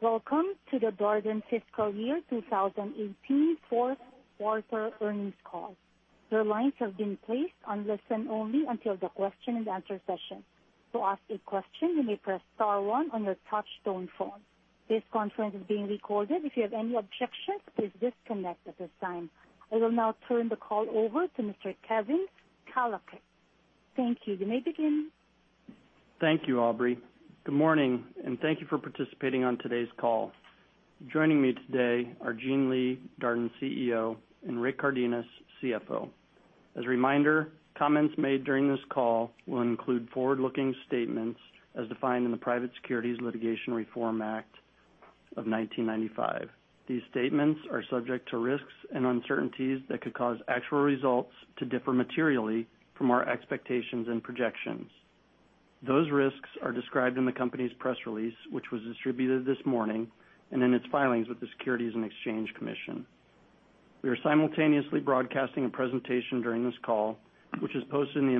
Welcome to the Darden Fiscal Year 2018 fourth quarter earnings call. Your lines have been placed on listen-only until the question and answer session. To ask a question, you may press star one on your touchtone phone. This conference is being recorded. If you have any objections, please disconnect at this time. I will now turn the call over to Mr. Kevin Kalicak. Thank you. You may begin. Thank you, Aubrey. Good morning, and thank you for participating on today's call. Joining me today are Gene Lee, Darden CEO, and Rick Cardenas, CFO. As a reminder, comments made during this call will include forward-looking statements as defined in the Private Securities Litigation Reform Act of 1995. These statements are subject to risks and uncertainties that could cause actual results to differ materially from our expectations and projections. Those risks are described in the company's press release, which was distributed this morning, and in its filings with the Securities and Exchange Commission. We are simultaneously broadcasting a presentation during this call, which is posted in the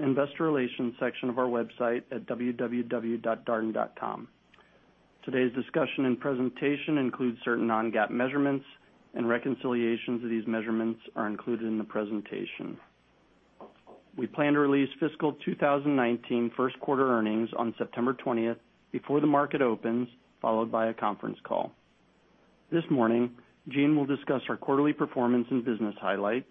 investor relations section of our website at www.darden.com. Today's discussion and presentation includes certain non-GAAP measurements, and reconciliations of these measurements are included in the presentation. We plan to release Fiscal 2019 first quarter earnings on September 20th before the market opens, followed by a conference call. This morning, Gene will discuss our quarterly performance and business highlights,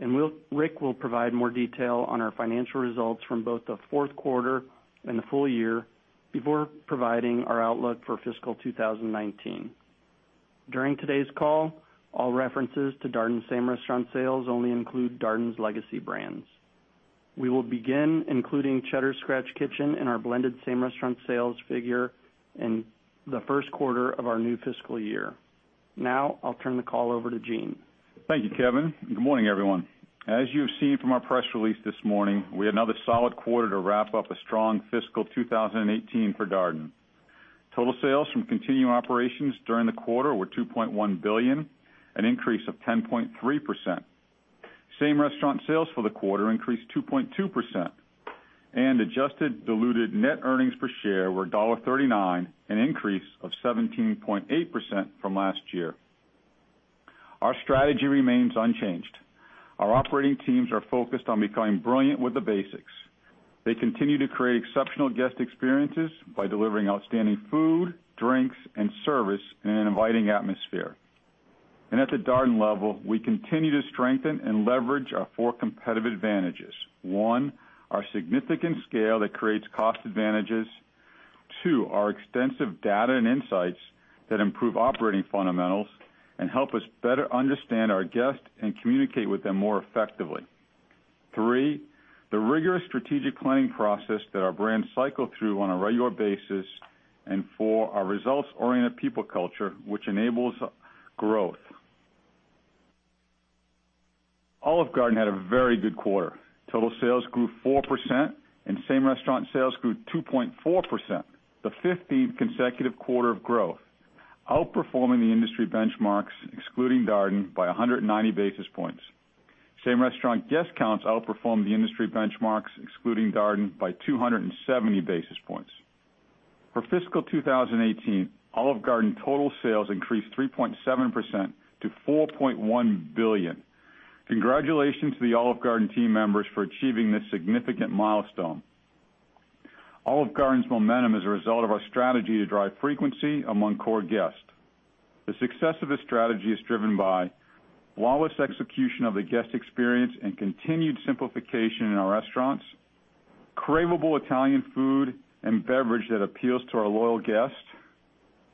and Rick will provide more detail on our financial results from both the fourth quarter and the full year before providing our outlook for Fiscal 2019. During today's call, all references to Darden same-restaurant sales only include Darden's legacy brands. We will begin including Cheddar's Scratch Kitchen in our blended same-restaurant sales figure in the first quarter of our new fiscal year. Now, I'll turn the call over to Gene. Thank you, Kevin, good morning, everyone. As you have seen from our press release this morning, we had another solid quarter to wrap up a strong Fiscal 2018 for Darden. Total sales from continuing operations during the quarter were $2.1 billion, an increase of 10.3%. Same-restaurant sales for the quarter increased 2.2%, and adjusted diluted net earnings per share were $1.39, an increase of 17.8% from last year. Our strategy remains unchanged. Our operating teams are focused on becoming brilliant with the basics. They continue to create exceptional guest experiences by delivering outstanding food, drinks, and service in an inviting atmosphere. At the Darden level, we continue to strengthen and leverage our four competitive advantages. One, our significant scale that creates cost advantages. Two, our extensive data and insights that improve operating fundamentals and help us better understand our guests and communicate with them more effectively. Three, the rigorous strategic planning process that our brands cycle through on a regular basis. Four, our results-oriented people culture, which enables growth. Olive Garden had a very good quarter. Total sales grew 4%, and same-restaurant sales grew 2.4%, the 15th consecutive quarter of growth, outperforming the industry benchmarks, excluding Darden, by 190 basis points. Same-restaurant guest counts outperformed the industry benchmarks, excluding Darden, by 270 basis points. For fiscal 2018, Olive Garden total sales increased 3.7% to $4.1 billion. Congratulations to the Olive Garden team members for achieving this significant milestone. Olive Garden's momentum is a result of our strategy to drive frequency among core guests. The success of this strategy is driven by flawless execution of the guest experience and continued simplification in our restaurants, craveable Italian food and beverage that appeals to our loyal guests,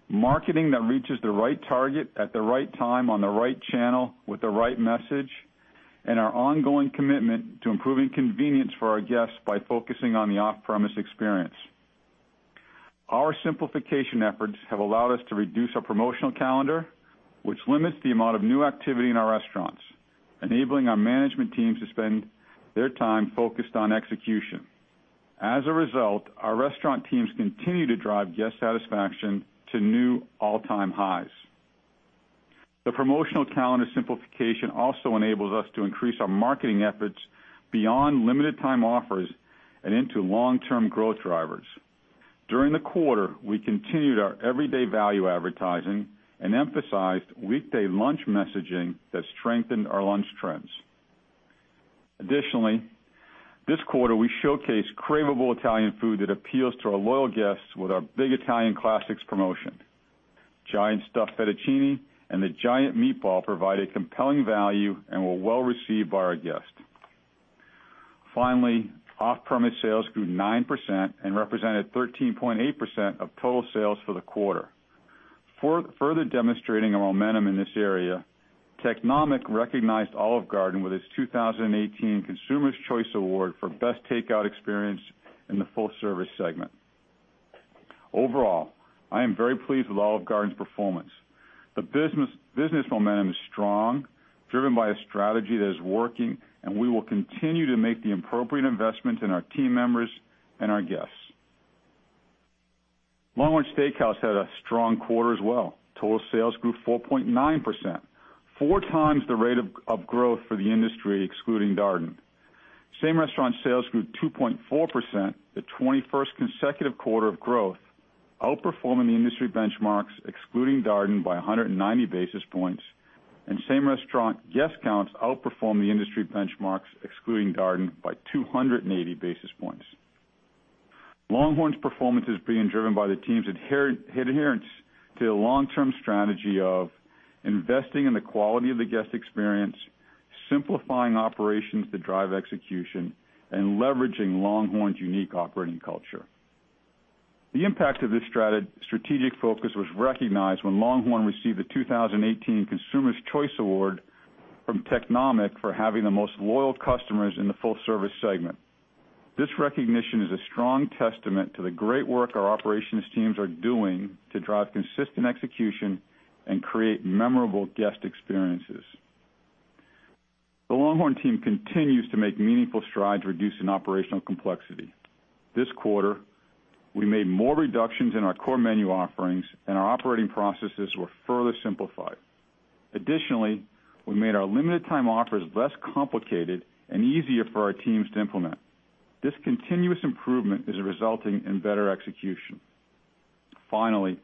marketing that reaches the right target at the right time on the right channel with the right message, and our ongoing commitment to improving convenience for our guests by focusing on the off-premise experience. Our simplification efforts have allowed us to reduce our promotional calendar, which limits the amount of new activity in our restaurants, enabling our management team to spend their time focused on execution. As a result, our restaurant teams continue to drive guest satisfaction to new all-time highs. The promotional calendar simplification also enables us to increase our marketing efforts beyond limited time offers and into long-term growth drivers. During the quarter, we continued our everyday value advertising and emphasized weekday lunch messaging that strengthened our lunch trends. Additionally, this quarter, we showcased craveable Italian food that appeals to our loyal guests with our Big Italian Classics promotion. Giant stuffed fettuccine and the giant meatball provide a compelling value and were well received by our guests. Finally, off-premise sales grew 9% and represented 13.8% of total sales for the quarter. Further demonstrating our momentum in this area, Technomic recognized Olive Garden with its 2018 Consumers' Choice Award for Best Takeout Experience in the full-service segment. Overall, I am very pleased with Olive Garden's performance. The business momentum is strong, driven by a strategy that is working, and we will continue to make the appropriate investment in our team members and our guests. LongHorn Steakhouse had a strong quarter as well. Total sales grew 4.9%, four times the rate of growth for the industry, excluding Darden. Same-restaurant sales grew 2.4%, the 21st consecutive quarter of growth, outperforming the industry benchmarks, excluding Darden, by 190 basis points, and same-restaurant guest counts outperformed the industry benchmarks, excluding Darden, by 280 basis points. LongHorn's performance is being driven by the team's adherence to the long-term strategy of investing in the quality of the guest experience, simplifying operations that drive execution, and leveraging LongHorn's unique operating culture. The impact of this strategic focus was recognized when LongHorn received the 2018 Consumers' Choice Award from Technomic for having the most loyal customers in the full-service segment. This recognition is a strong testament to the great work our operations teams are doing to drive consistent execution and create memorable guest experiences. The LongHorn team continues to make meaningful strides reducing operational complexity. This quarter, we made more reductions in our core menu offerings, our operating processes were further simplified. Additionally, we made our limited time offers less complicated and easier for our teams to implement. This continuous improvement is resulting in better execution. Finally,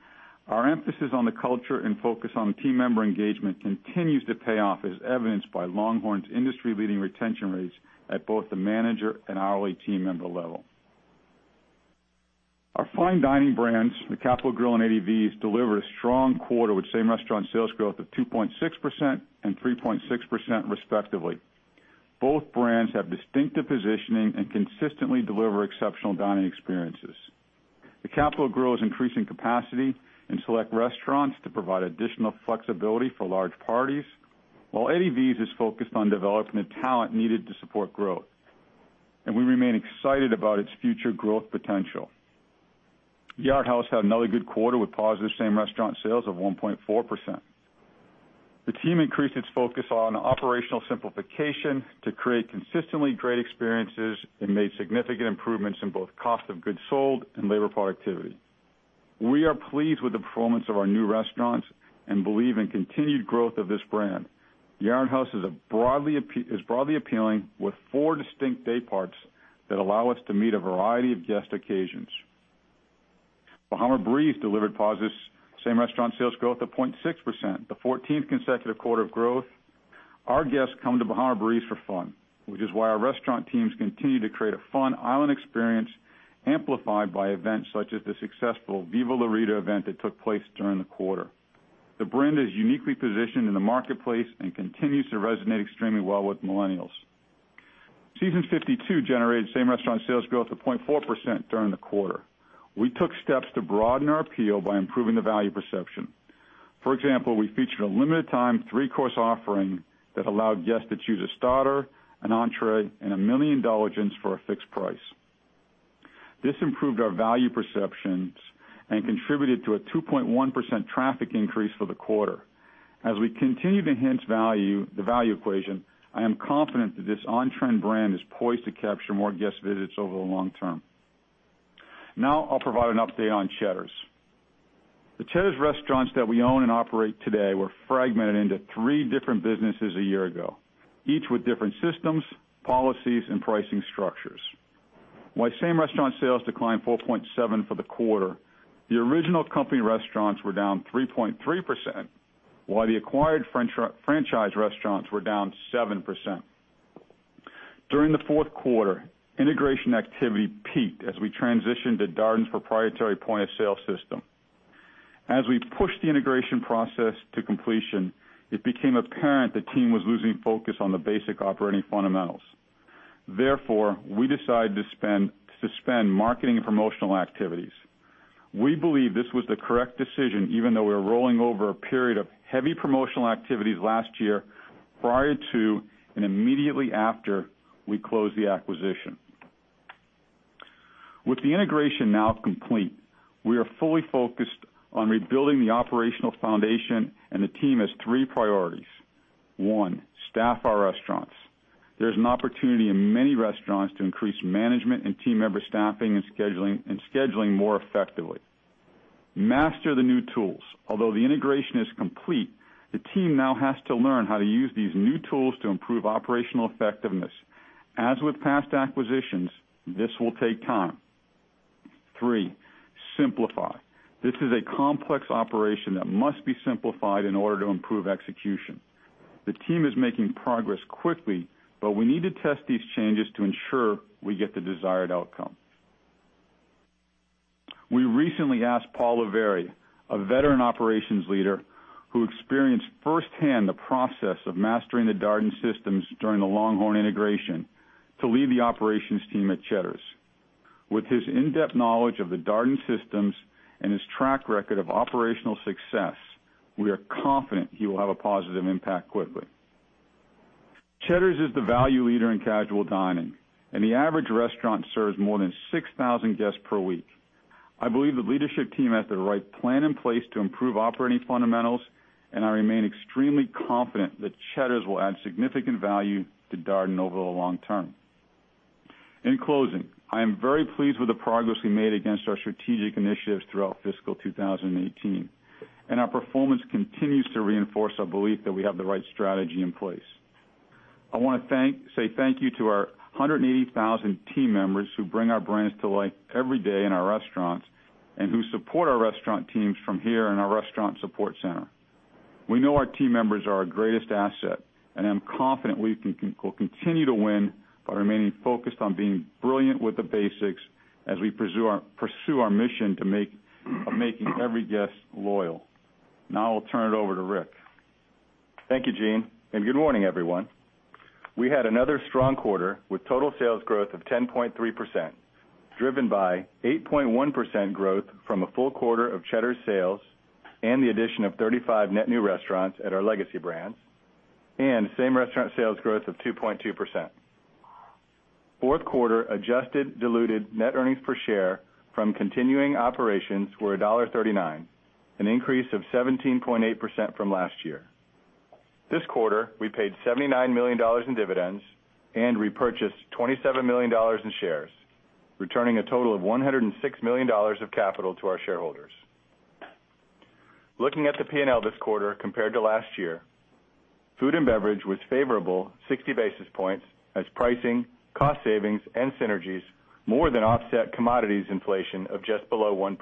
our emphasis on the culture and focus on team member engagement continues to pay off, as evidenced by LongHorn's industry-leading retention rates at both the manager and hourly team member level. Our fine dining brands, The Capital Grille and Eddie V's, delivered a strong quarter with same-restaurant sales growth of 2.6% and 3.6% respectively. Both brands have distinctive positioning and consistently deliver exceptional dining experiences. The Capital Grille is increasing capacity in select restaurants to provide additional flexibility for large parties, while Eddie V's is focused on developing the talent needed to support growth. We remain excited about its future growth potential. Yard House had another good quarter with positive same-restaurant sales of 1.4%. The team increased its focus on operational simplification to create consistently great experiences and made significant improvements in both cost of goods sold and labor productivity. We are pleased with the performance of our new restaurants and believe in continued growth of this brand. Yard House is broadly appealing with four distinct day parts that allow us to meet a variety of guest occasions. Bahama Breeze delivered positive same-restaurant sales growth of 0.6%, the 14th consecutive quarter of growth. Our guests come to Bahama Breeze for fun, which is why our restaurant teams continue to create a fun island experience amplified by events such as the successful Viva La 'Rita event that took place during the quarter. The brand is uniquely positioned in the marketplace and continues to resonate extremely well with millennials. Seasons 52 generated same-restaurant sales growth of 0.4% during the quarter. We took steps to broaden our appeal by improving the value perception. For example, we featured a limited time three-course offering that allowed guests to choose a starter, an entrée, and a Million Dollar Gin for a fixed price. This improved our value perceptions and contributed to a 2.1% traffic increase for the quarter. As we continue to enhance the value equation, I am confident that this on-trend brand is poised to capture more guest visits over the long term. Now I'll provide an update on Cheddar's. The Cheddar's restaurants that we own and operate today were fragmented into three different businesses a year ago, each with different systems, policies, and pricing structures. While same-restaurant sales declined 4.7% for the quarter, the original company restaurants were down 3.3%, while the acquired franchise restaurants were down 7%. During the fourth quarter, integration activity peaked as we transitioned to Darden's proprietary point-of-sale system. Therefore, we decided to suspend marketing and promotional activities. We believe this was the correct decision, even though we were rolling over a period of heavy promotional activities last year prior to and immediately after we closed the acquisition. With the integration now complete, we are fully focused on rebuilding the operational foundation, and the team has three priorities. One, staff our restaurants. There's an opportunity in many restaurants to increase management and team member staffing and scheduling more effectively. Master the new tools. Although the integration is complete, the team now has to learn how to use these new tools to improve operational effectiveness. As with past acquisitions, this will take time. Three, simplify. This is a complex operation that must be simplified in order to improve execution. The team is making progress quickly, but we need to test these changes to ensure we get the desired outcome. We recently asked Paul Love, a veteran operations leader who experienced firsthand the process of mastering the Darden systems during the LongHorn integration, to lead the operations team at Cheddar's. With his in-depth knowledge of the Darden systems and his track record of operational success, we are confident he will have a positive impact quickly. Cheddar's is the value leader in casual dining, and the average restaurant serves more than 6,000 guests per week. I believe the leadership team has the right plan in place to improve operating fundamentals, and I remain extremely confident that Cheddar's will add significant value to Darden over the long term. In closing, I am very pleased with the progress we made against our strategic initiatives throughout fiscal 2018, and our performance continues to reinforce our belief that we have the right strategy in place. I want to say thank you to our 180,000 team members who bring our brands to life every day in our restaurants, and who support our restaurant teams from here in our restaurant support center. We know our team members are our greatest asset, and I'm confident we will continue to win by remaining focused on being brilliant with the basics as we pursue our mission of making every guest loyal. Now I'll turn it over to Rick. Thank you, Gene, and good morning, everyone. We had another strong quarter with total sales growth of 10.3%, driven by 8.1% growth from a full quarter of Cheddar's sales and the addition of 35 net new restaurants at our legacy brands, and same-restaurant sales growth of 2.2%. Fourth quarter adjusted diluted net earnings per share from continuing operations were $1.39, an increase of 17.8% from last year. This quarter, we paid $79 million in dividends and repurchased $27 million in shares, returning a total of $106 million of capital to our shareholders. Looking at the P&L this quarter compared to last year, food and beverage was favorable 60 basis points as pricing, cost savings, and synergies more than offset commodities inflation of just below 1%.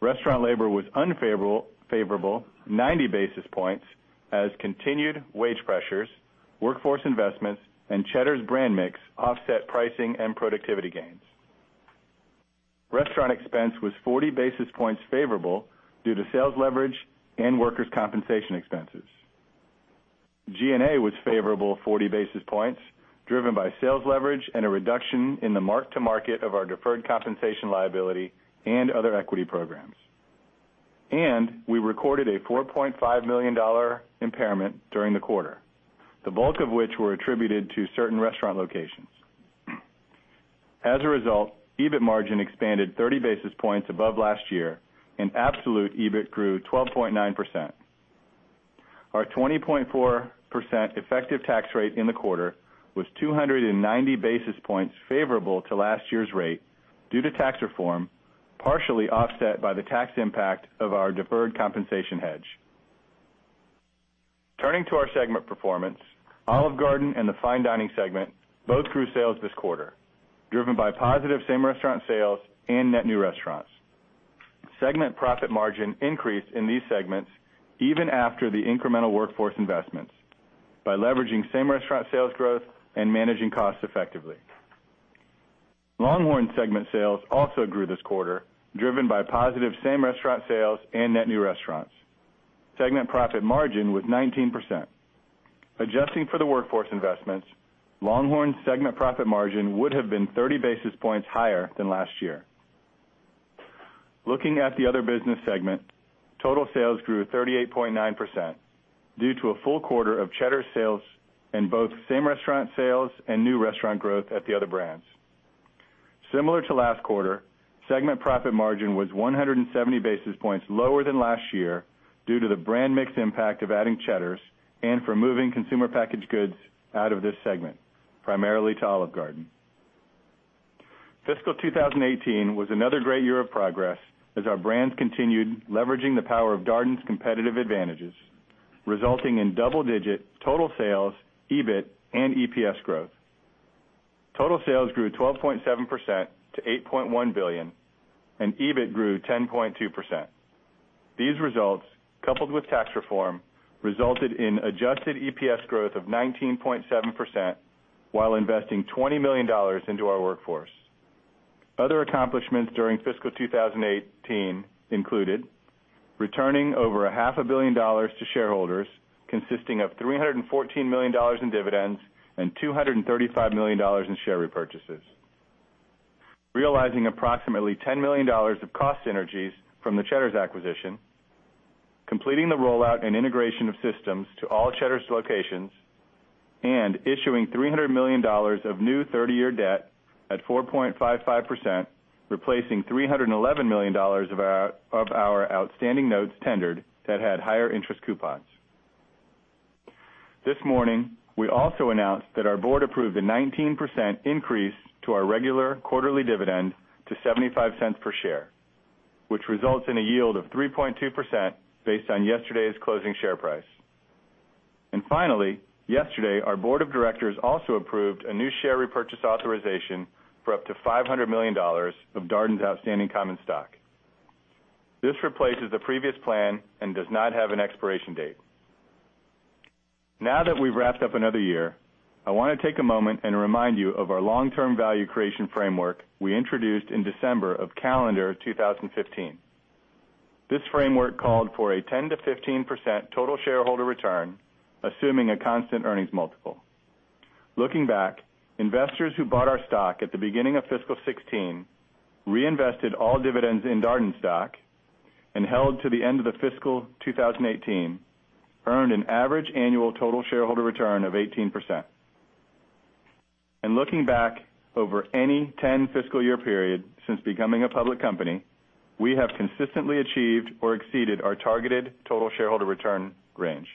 Restaurant labor was unfavorable 90 basis points as continued wage pressures, workforce investments, and Cheddar's brand mix offset pricing and productivity gains. Restaurant expense was 40 basis points favorable due to sales leverage and workers' compensation expenses. G&A was favorable 40 basis points, driven by sales leverage and a reduction in the mark-to-market of our deferred compensation liability and other equity programs. We recorded a $4.5 million impairment during the quarter, the bulk of which were attributed to certain restaurant locations. As a result, EBIT margin expanded 30 basis points above last year and absolute EBIT grew 12.9%. Our 20.4% effective tax rate in the quarter was 290 basis points favorable to last year's rate due to tax reform, partially offset by the tax impact of our deferred compensation hedge. Turning to our segment performance, Olive Garden and the fine dining segment both grew sales this quarter, driven by positive same-restaurant sales and net new restaurants. Segment profit margin increased in these segments even after the incremental workforce investments by leveraging same-restaurant sales growth and managing costs effectively. LongHorn segment sales also grew this quarter, driven by positive same-restaurant sales and net new restaurants. Segment profit margin was 19%. Adjusting for the workforce investments, LongHorn's segment profit margin would have been 30 basis points higher than last year. Looking at the other business segment, total sales grew 38.9% due to a full quarter of Cheddar's sales in both same-restaurant sales and new restaurant growth at the other brands. Similar to last quarter, segment profit margin was 170 basis points lower than last year due to the brand mix impact of adding Cheddar's and for moving consumer packaged goods out of this segment, primarily to Olive Garden. Fiscal 2018 was another great year of progress as our brands continued leveraging the power of Darden's competitive advantages, resulting in double-digit total sales, EBIT, and EPS growth. Total sales grew 12.7% to $8.1 billion. EBIT grew 10.2%. These results, coupled with tax reform, resulted in adjusted EPS growth of 19.7% while investing $20 million into our workforce. Other accomplishments during fiscal 2018 included returning over a half a billion dollars to shareholders, consisting of $314 million in dividends and $235 million in share repurchases, realizing approximately $10 million of cost synergies from the Cheddar's acquisition, completing the rollout and integration of systems to all Cheddar's locations, issuing $300 million of new 30-year debt at 4.55%, replacing $311 million of our outstanding notes tendered that had higher interest coupons. This morning, we also announced that our board approved a 19% increase to our regular quarterly dividend to $0.75 per share, which results in a yield of 3.2% based on yesterday's closing share price. Finally, yesterday, our board of directors also approved a new share repurchase authorization for up to $500 million of Darden's outstanding common stock. This replaces the previous plan and does not have an expiration date. Now that we've wrapped up another year, I want to take a moment and remind you of our long-term value creation framework we introduced in December of calendar 2015. This framework called for a 10%-15% total shareholder return, assuming a constant earnings multiple. Looking back, investors who bought our stock at the beginning of fiscal 2016, reinvested all dividends in Darden stock, and held to the end of the fiscal 2018, earned an average annual total shareholder return of 18%. Looking back over any 10 fiscal year period since becoming a public company, we have consistently achieved or exceeded our targeted total shareholder return range.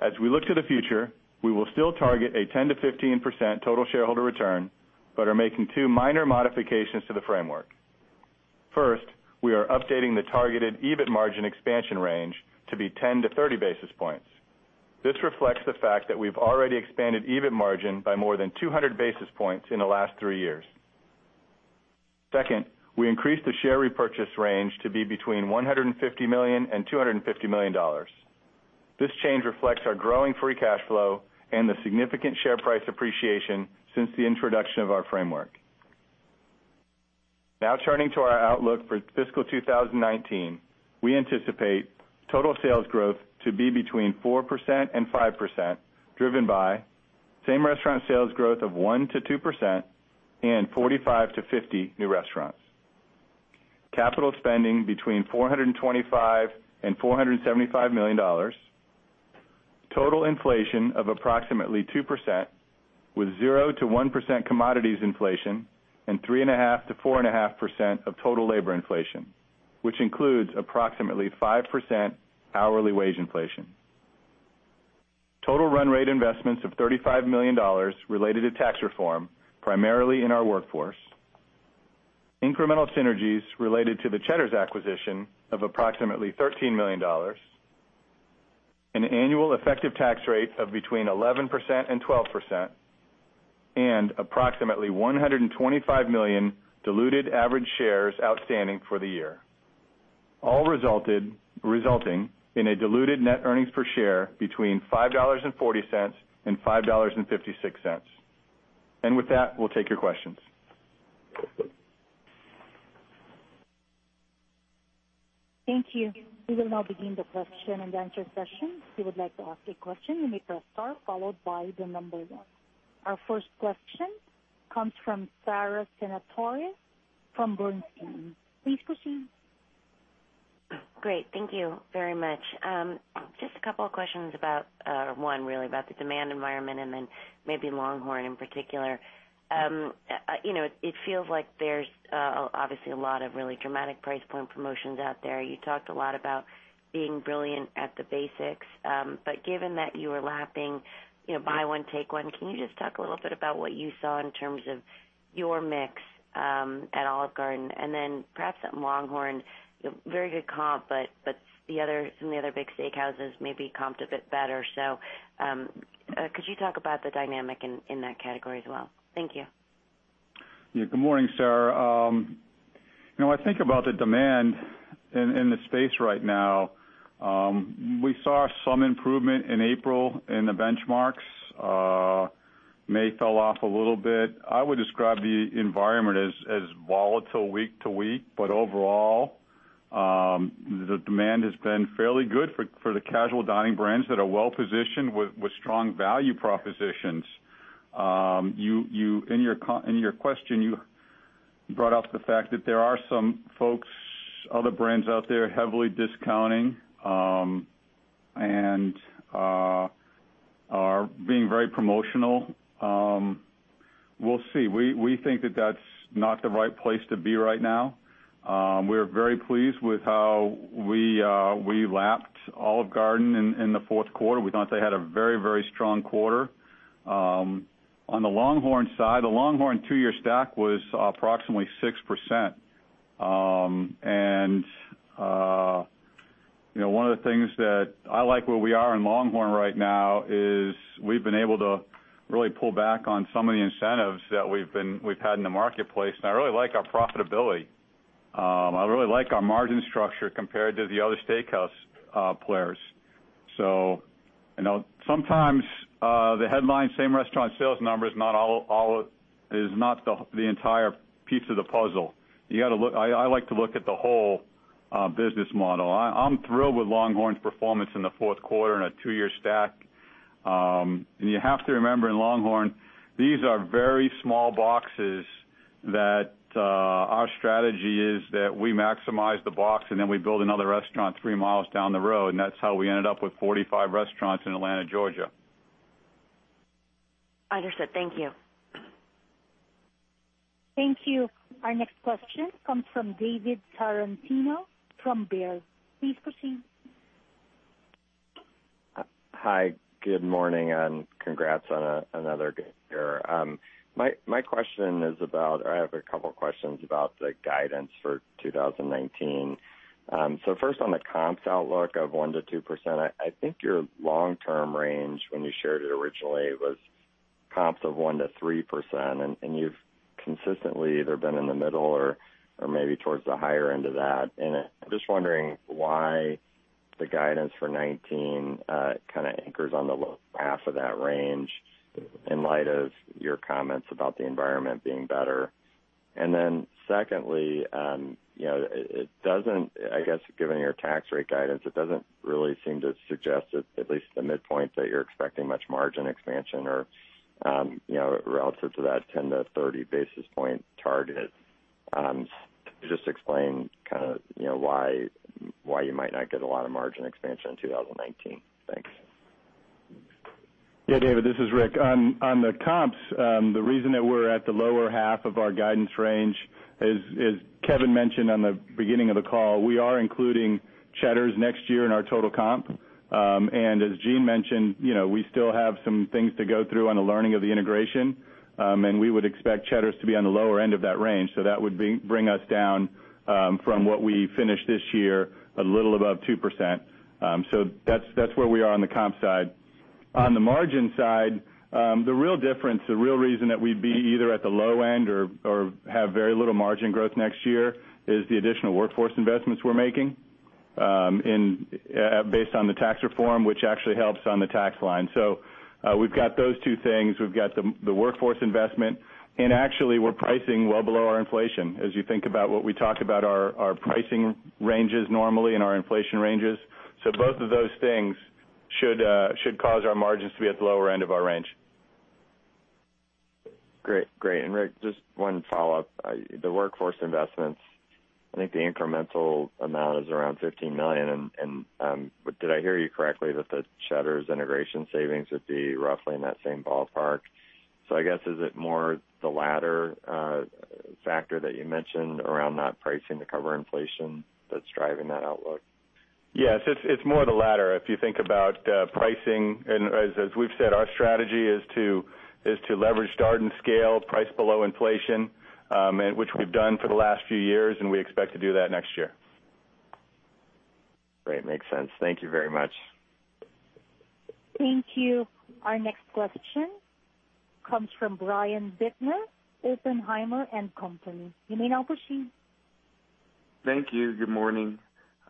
As we look to the future, we will still target a 10%-15% total shareholder return. We are making two minor modifications to the framework. First, we are updating the targeted EBIT margin expansion range to be 10-30 basis points. This reflects the fact that we've already expanded EBIT margin by more than 200 basis points in the last three years. Second, we increased the share repurchase range to be between $150 million and $250 million. This change reflects our growing free cash flow and the significant share price appreciation since the introduction of our framework. Now turning to our outlook for fiscal 2019, we anticipate total sales growth to be between 4% and 5%, driven by same-restaurant sales growth of 1% to 2% and 45 to 50 new restaurants. Capital spending between $425 and $475 million, total inflation of approximately 2% with 0% to 1% commodities inflation and 3.5% to 4.5% of total labor inflation, which includes approximately 5% hourly wage inflation. Total run rate investments of $35 million related to tax reform, primarily in our workforce. Incremental synergies related to the Cheddar's acquisition of approximately $13 million, an annual effective tax rate of between 11% and 12%, and approximately 125 million diluted average shares outstanding for the year, all resulting in a diluted net earnings per share between $5.40 and $5.56. With that, we will take your questions. Thank you. We will now begin the question and answer session. If you would like to ask a question, you may press star followed by the number 1. Our first question comes from Sara Senatore from Bernstein. Please proceed. Great. Thank you very much. Just a couple of questions about, one, really about the demand environment and then maybe LongHorn in particular. It feels like there's obviously a lot of really dramatic price point promotions out there. You talked a lot about being brilliant at the basics. Given that you are lapping Buy One, Take One, can you just talk a little bit about what you saw in terms of your mix at Olive Garden? Then perhaps at LongHorn, very good comp, but some of the other big steakhouses maybe comped a bit better. Could you talk about the dynamic in that category as well? Thank you. Yeah. Good morning, Sara. When I think about the demand in the space right now, we saw some improvement in April in the benchmarks. May fell off a little bit. I would describe the environment as volatile week to week. Overall, the demand has been fairly good for the casual dining brands that are well-positioned with strong value propositions. In your question, you brought up the fact that there are some folks, other brands out there heavily discounting, and are being very promotional. We'll see. We think that that's not the right place to be right now. We're very pleased with how we lapped Olive Garden in the fourth quarter. We thought they had a very strong quarter. On the LongHorn side, the LongHorn two-year stack was approximately 6%. One of the things that I like where we are in LongHorn right now is we've been able to really pull back on some of the incentives that we've had in the marketplace. I really like our profitability. I really like our margin structure compared to the other steakhouse players. Sometimes, the headline same restaurant sales number is not the entire piece of the puzzle. I like to look at the whole business model. I'm thrilled with LongHorn's performance in the fourth quarter and a two-year stack. You have to remember, in LongHorn, these are very small boxes that our strategy is that we maximize the box, and then we build another restaurant three miles down the road, and that's how we ended up with 45 restaurants in Atlanta, Georgia. Understood. Thank you. Thank you. Our next question comes from David Tarantino from Baird. Please proceed. Hi, good morning. Congrats on another good year. I have a couple questions about the guidance for 2019. First, on the comps outlook of 1%-2%, I think your long-term range when you shared it originally was comps of 1%-3%, and you've consistently either been in the middle or maybe towards the higher end of that. Just wondering why the guidance for 2019 kind of anchors on the low half of that range in light of your comments about the environment being better. Secondly, I guess given your tax rate guidance, it doesn't really seem to suggest that at least the midpoint that you're expecting much margin expansion or relative to that 10 to 30 basis point target. Can you just explain why you might not get a lot of margin expansion in 2019? Thanks. Yeah, David, this is Rick. On the comps, the reason that we're at the lower half of our guidance range, as Kevin mentioned on the beginning of the call, we are including Cheddar's next year in our total comp. As Gene mentioned, we still have some things to go through on the learning of the integration. We would expect Cheddar's to be on the lower end of that range. That would bring us down from what we finished this year, a little above 2%. That's where we are on the comp side. On the margin side, the real difference, the real reason that we'd be either at the low end or have very little margin growth next year is the additional workforce investments we're making based on the tax reform, which actually helps on the tax line. We've got those two things. We've got the workforce investment, and actually, we're pricing well below our inflation as you think about what we talk about our pricing ranges normally and our inflation ranges. Both of those things should cause our margins to be at the lower end of our range. Great. Rick, just one follow-up. The workforce investments, I think the incremental amount is around $15 million. Did I hear you correctly that the Cheddar's integration savings would be roughly in that same ballpark? I guess, is it more the latter factor that you mentioned around not pricing to cover inflation that's driving that outlook? Yes. It's more the latter. If you think about pricing, and as we've said, our strategy is to leverage Darden scale, price below inflation, which we've done for the last few years, and we expect to do that next year. Great. Makes sense. Thank you very much. Thank you. Our next question comes from Brian Bittner, Oppenheimer & Co. You may now proceed. Thank you. Good morning.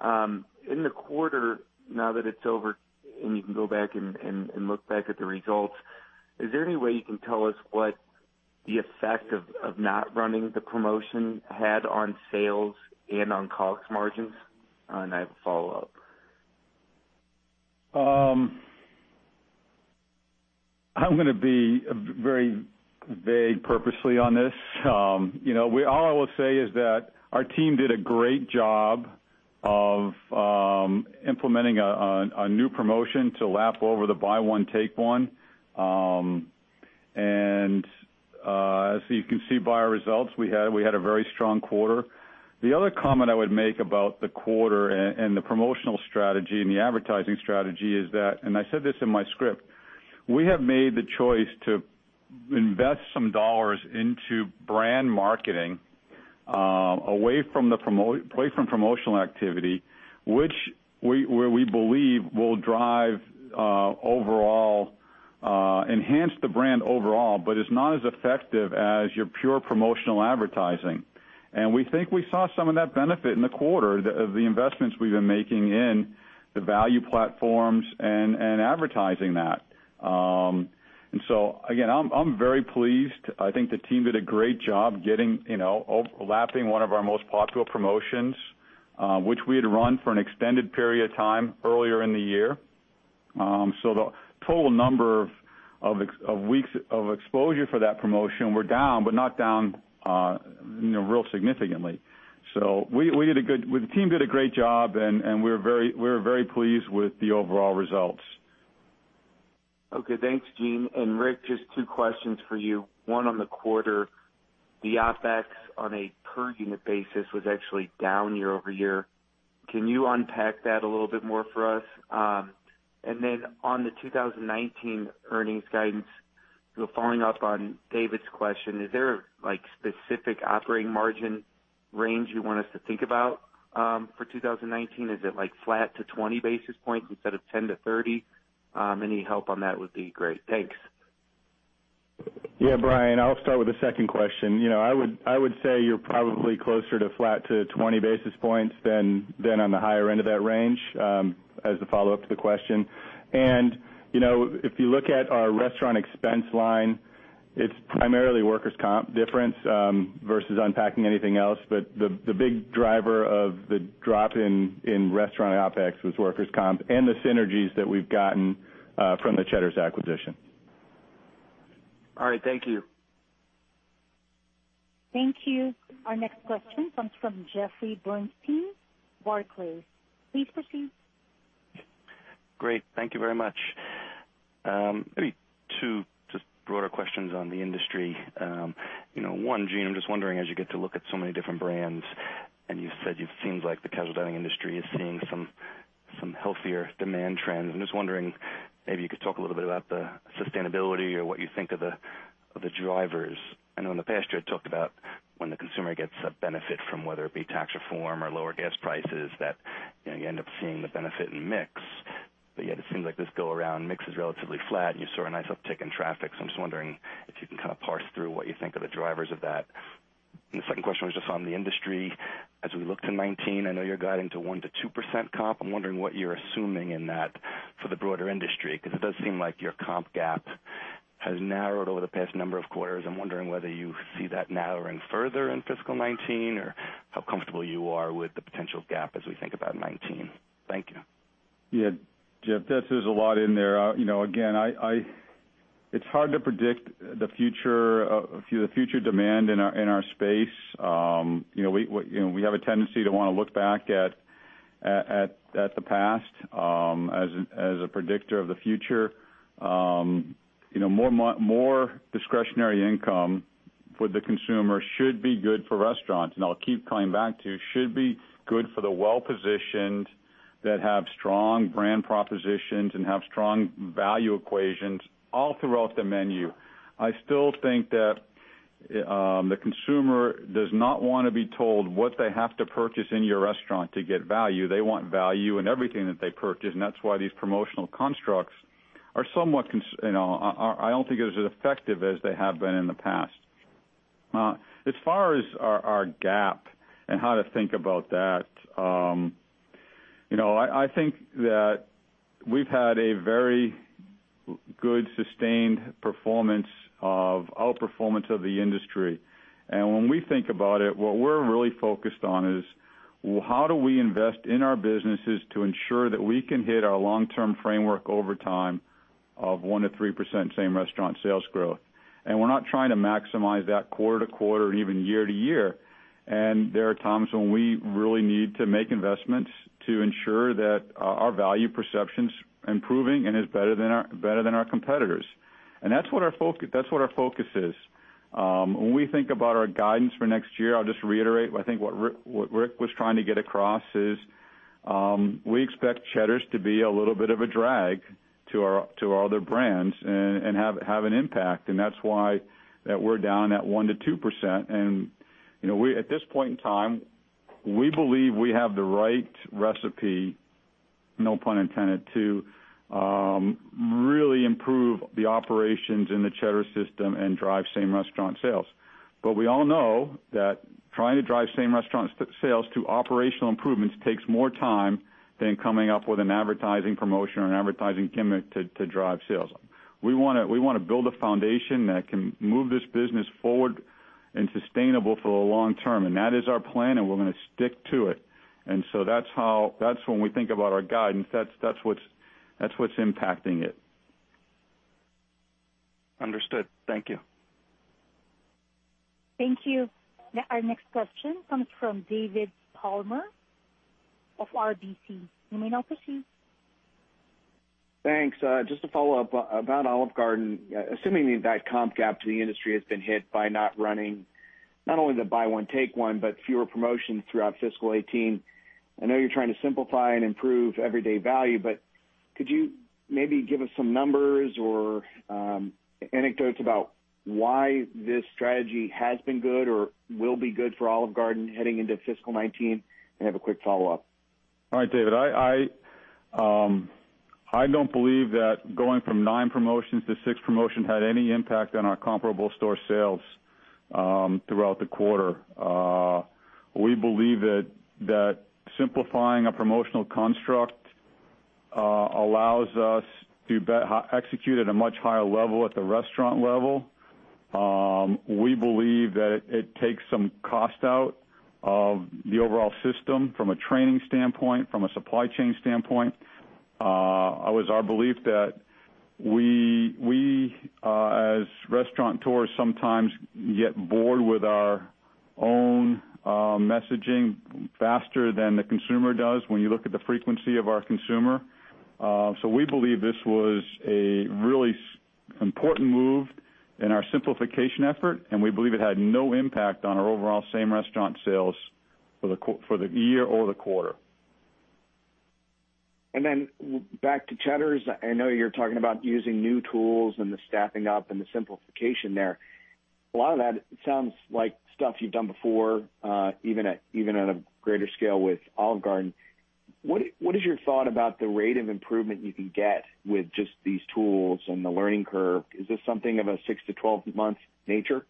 In the quarter, now that it's over and you can go back and look back at the results, is there any way you can tell us what the effect of not running the promotion had on sales and on COGS margins? I have a follow-up. I'm going to be very vague purposely on this. All I will say is that our team did a great job of implementing a new promotion to lap over the Buy One, Take One. As you can see by our results, we had a very strong quarter. The other comment I would make about the quarter and the promotional strategy and the advertising strategy is that, I said this in my script, we have made the choice to invest some dollars into brand marketing away from promotional activity, where we believe will drive overall, enhance the brand overall, but it's not as effective as your pure promotional advertising. We think we saw some of that benefit in the quarter of the investments we've been making in the value platforms and advertising that. Again, I'm very pleased. I think the team did a great job overlapping one of our most popular promotions, which we had run for an extended period of time earlier in the year. The total number of weeks of exposure for that promotion were down, but not down real significantly. The team did a great job, and we're very pleased with the overall results. Okay, thanks, Gene. Rick, just two questions for you. One on the quarter, the OpEx on a per unit basis was actually down year-over-year. Can you unpack that a little bit more for us? Then on the 2019 earnings guidance, following up on David's question, is there a specific operating margin range you want us to think about for 2019? Is it flat to 20 basis points instead of 10-30? Any help on that would be great. Thanks. Yeah, Brian, I'll start with the second question. I would say you're probably closer to flat to 20 basis points than on the higher end of that range, as the follow-up to the question. If you look at our restaurant expense line, it's primarily workers' comp difference versus unpacking anything else. The big driver of the drop in restaurant OpEx was workers' comp and the synergies that we've gotten from the Cheddar's acquisition. All right. Thank you. Thank you. Our next question comes from Jeffrey Bernstein, Barclays. Please proceed. Great. Thank you very much. Maybe two just broader questions on the industry. One, Gene, I'm just wondering, as you get to look at so many different brands, and you said it seems like the casual dining industry is seeing some healthier demand trends. I'm just wondering, maybe you could talk a little bit about the sustainability or what you think of the drivers. I know in the past you had talked about when the consumer gets a benefit from whether it be tax reform or lower gas prices, that you end up seeing the benefit in mix. Yet it seems like this go around, mix is relatively flat and you saw a nice uptick in traffic. I'm just wondering if you can kind of parse through what you think are the drivers of that. The second question was just on the industry. As we look to 2019, I know you're guiding to 1%-2% comp. I'm wondering what you're assuming in that for the broader industry, because it does seem like your comp gap has narrowed over the past number of quarters. I'm wondering whether you see that narrowing further in fiscal 2019, or how comfortable you are with the potential gap as we think about 2019. Thank you. Yeah. Jeff, there's a lot in there. It's hard to predict the future demand in our space. We have a tendency to want to look back at the past as a predictor of the future. More discretionary income for the consumer should be good for restaurants, and I'll keep coming back to, should be good for the well-positioned that have strong brand propositions and have strong value equations all throughout the menu. I still think that the consumer does not want to be told what they have to purchase in your restaurant to get value. They want value in everything that they purchase, and that's why these promotional constructs, I don't think are as effective as they have been in the past. As far as our GAAP and how to think about that. I think that we've had a very good sustained performance of outperformance of the industry. When we think about it, what we're really focused on is how do we invest in our businesses to ensure that we can hit our long-term framework over time of 1%-3% same restaurant sales growth. We're not trying to maximize that quarter to quarter and even year to year. There are times when we really need to make investments to ensure that our value perception's improving and is better than our competitors. That's what our focus is. When we think about our guidance for next year, I'll just reiterate, I think what Rick was trying to get across is, we expect Cheddar's to be a little bit of a drag to our other brands and have an impact. That's why that we're down at 1%-2%. At this point in time, we believe we have the right recipe, no pun intended, to really improve the operations in the Cheddar's system and drive same restaurant sales. We all know that trying to drive same restaurant sales through operational improvements takes more time than coming up with an advertising promotion or an advertising gimmick to drive sales. We want to build a foundation that can move this business forward and sustainable for the long term. That is our plan, and we're going to stick to it. That's when we think about our guidance, that's what's impacting it. Understood. Thank you. Thank you. Our next question comes from David Palmer of RBC. You may now proceed. Thanks. Just to follow up about Olive Garden, assuming that comp gap to the industry has been hit by not running not only the Buy One, Take One, but fewer promotions throughout fiscal 2018. I know you're trying to simplify and improve everyday value, but could you maybe give us some numbers or anecdotes about why this strategy has been good or will be good for Olive Garden heading into fiscal 2019? I have a quick follow-up. All right, David. I don't believe that going from nine promotions to six promotions had any impact on our comparable store sales throughout the quarter. We believe that simplifying a promotional construct allows us to execute at a much higher level at the restaurant level. We believe that it takes some cost out of the overall system from a training standpoint, from a supply chain standpoint. It was our belief that we as restaurateurs sometimes get bored with our own messaging faster than the consumer does when you look at the frequency of our consumer. We believe this was a really important move in our simplification effort, and we believe it had no impact on our overall same restaurant sales for the year or the quarter. Back to Cheddar's. I know you're talking about using new tools and the staffing up and the simplification there. A lot of that sounds like stuff you've done before even at a greater scale with Olive Garden. What is your thought about the rate of improvement you can get with just these tools and the learning curve? Is this something of a 6-12 months nature?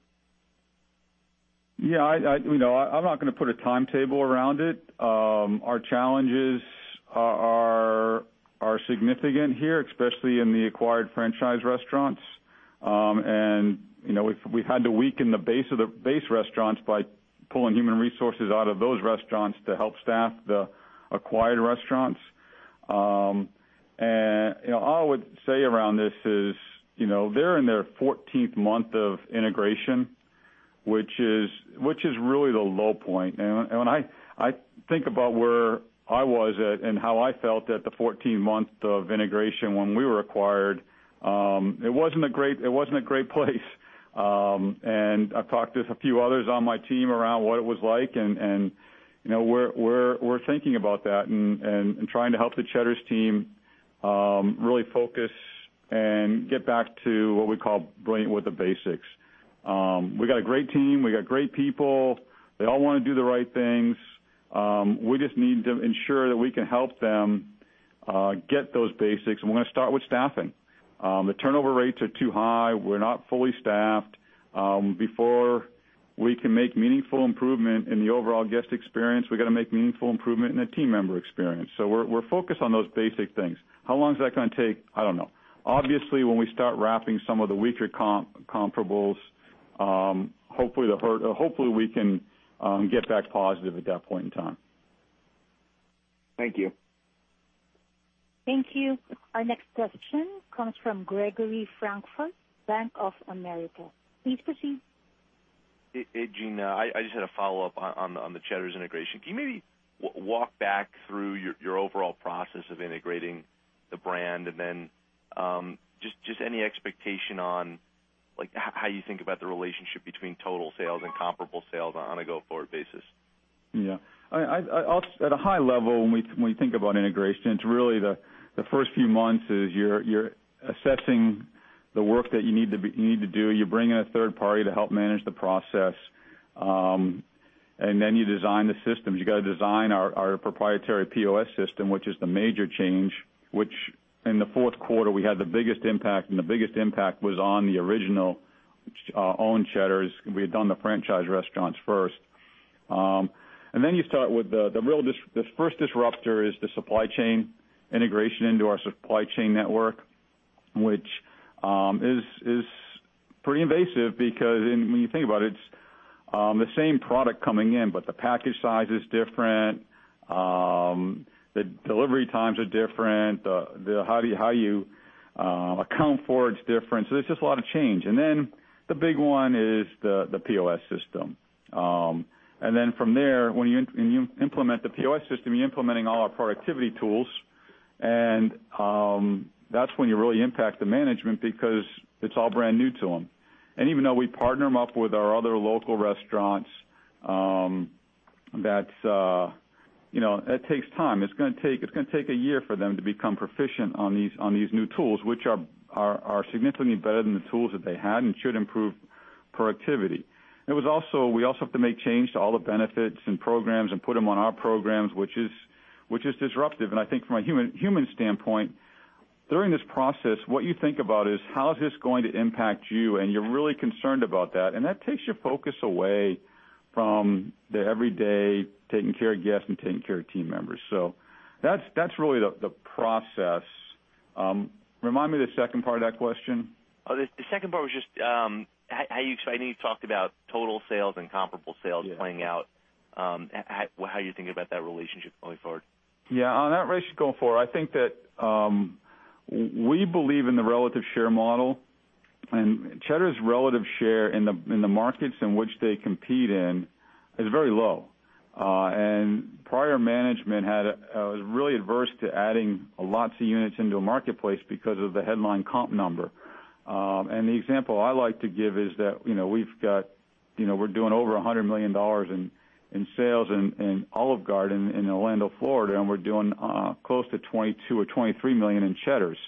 Yeah. I'm not going to put a timetable around it. Our challenges are significant here, especially in the acquired franchise restaurants. We've had to weaken the base restaurants by pulling human resources out of those restaurants to help staff the acquired restaurants. All I would say around this is, they're in their 14th month of integration, which is really the low point. When I think about where I was at and how I felt at the 14th month of integration when we were acquired, it wasn't a great place. I've talked to a few others on my team around what it was like, and we're thinking about that and trying to help the Cheddar's team really focus and get back to what we call bringing with the basics. We got a great team. We got great people. They all want to do the right things. We just need to ensure that we can help them get those basics, and we're going to start with staffing. The turnover rates are too high. We're not fully staffed. Before we can make meaningful improvement in the overall guest experience, we got to make meaningful improvement in the team member experience. We're focused on those basic things. How long is that going to take? I don't know. Obviously, when we start wrapping some of the weaker comparables, hopefully we can get back positive at that point in time. Thank you. Thank you. Our next question comes from Gregory Francfort, Bank of America. Please proceed. Hey, Gene. I just had a follow-up on the Cheddar's integration. Can you maybe walk back through your overall process of integrating the brand? Just any expectation on how you think about the relationship between total sales and comparable sales on a go-forward basis. Yeah. At a high level, when we think about integration, it's really the first few months is you're assessing the work that you need to do. You bring in a third party to help manage the process. You design the systems. You got to design our proprietary POS system, which is the major change, which in the fourth quarter, we had the biggest impact, and the biggest impact was on the original owned Cheddar's. We had done the franchise restaurants first. You start with the first disrupter is the supply chain integration into our supply chain network, which is pretty invasive because when you think about it's the same product coming in, but the package size is different. The delivery times are different. How you account for it is different. There's just a lot of change. The big one is the POS system. From there, when you implement the POS system, you're implementing all our productivity tools. That's when you really impact the management because it's all brand new to them. Even though we partner them up with our other local restaurants, that takes time. It's going to take a year for them to become proficient on these new tools, which are significantly better than the tools that they had and should improve productivity. We also have to make change to all the benefits and programs and put them on our programs, which is disruptive. I think from a human standpoint, during this process, what you think about is how is this going to impact you? You're really concerned about that, and that takes your focus away from the everyday taking care of guests and taking care of team members. That's really the process. Remind me of the second part of that question. I know you talked about total sales and comparable sales playing out. Yeah. How you think about that relationship going forward? On that ratio going forward, I think we believe in the relative share model, Cheddar's relative share in the markets in which they compete in is very low. Prior management was really adverse to adding lots of units into a marketplace because of the headline comp number. The example I like to give is that we're doing over $100 million in sales in Olive Garden in Orlando, Florida, and we're doing close to $22 million or $23 million in Cheddar's.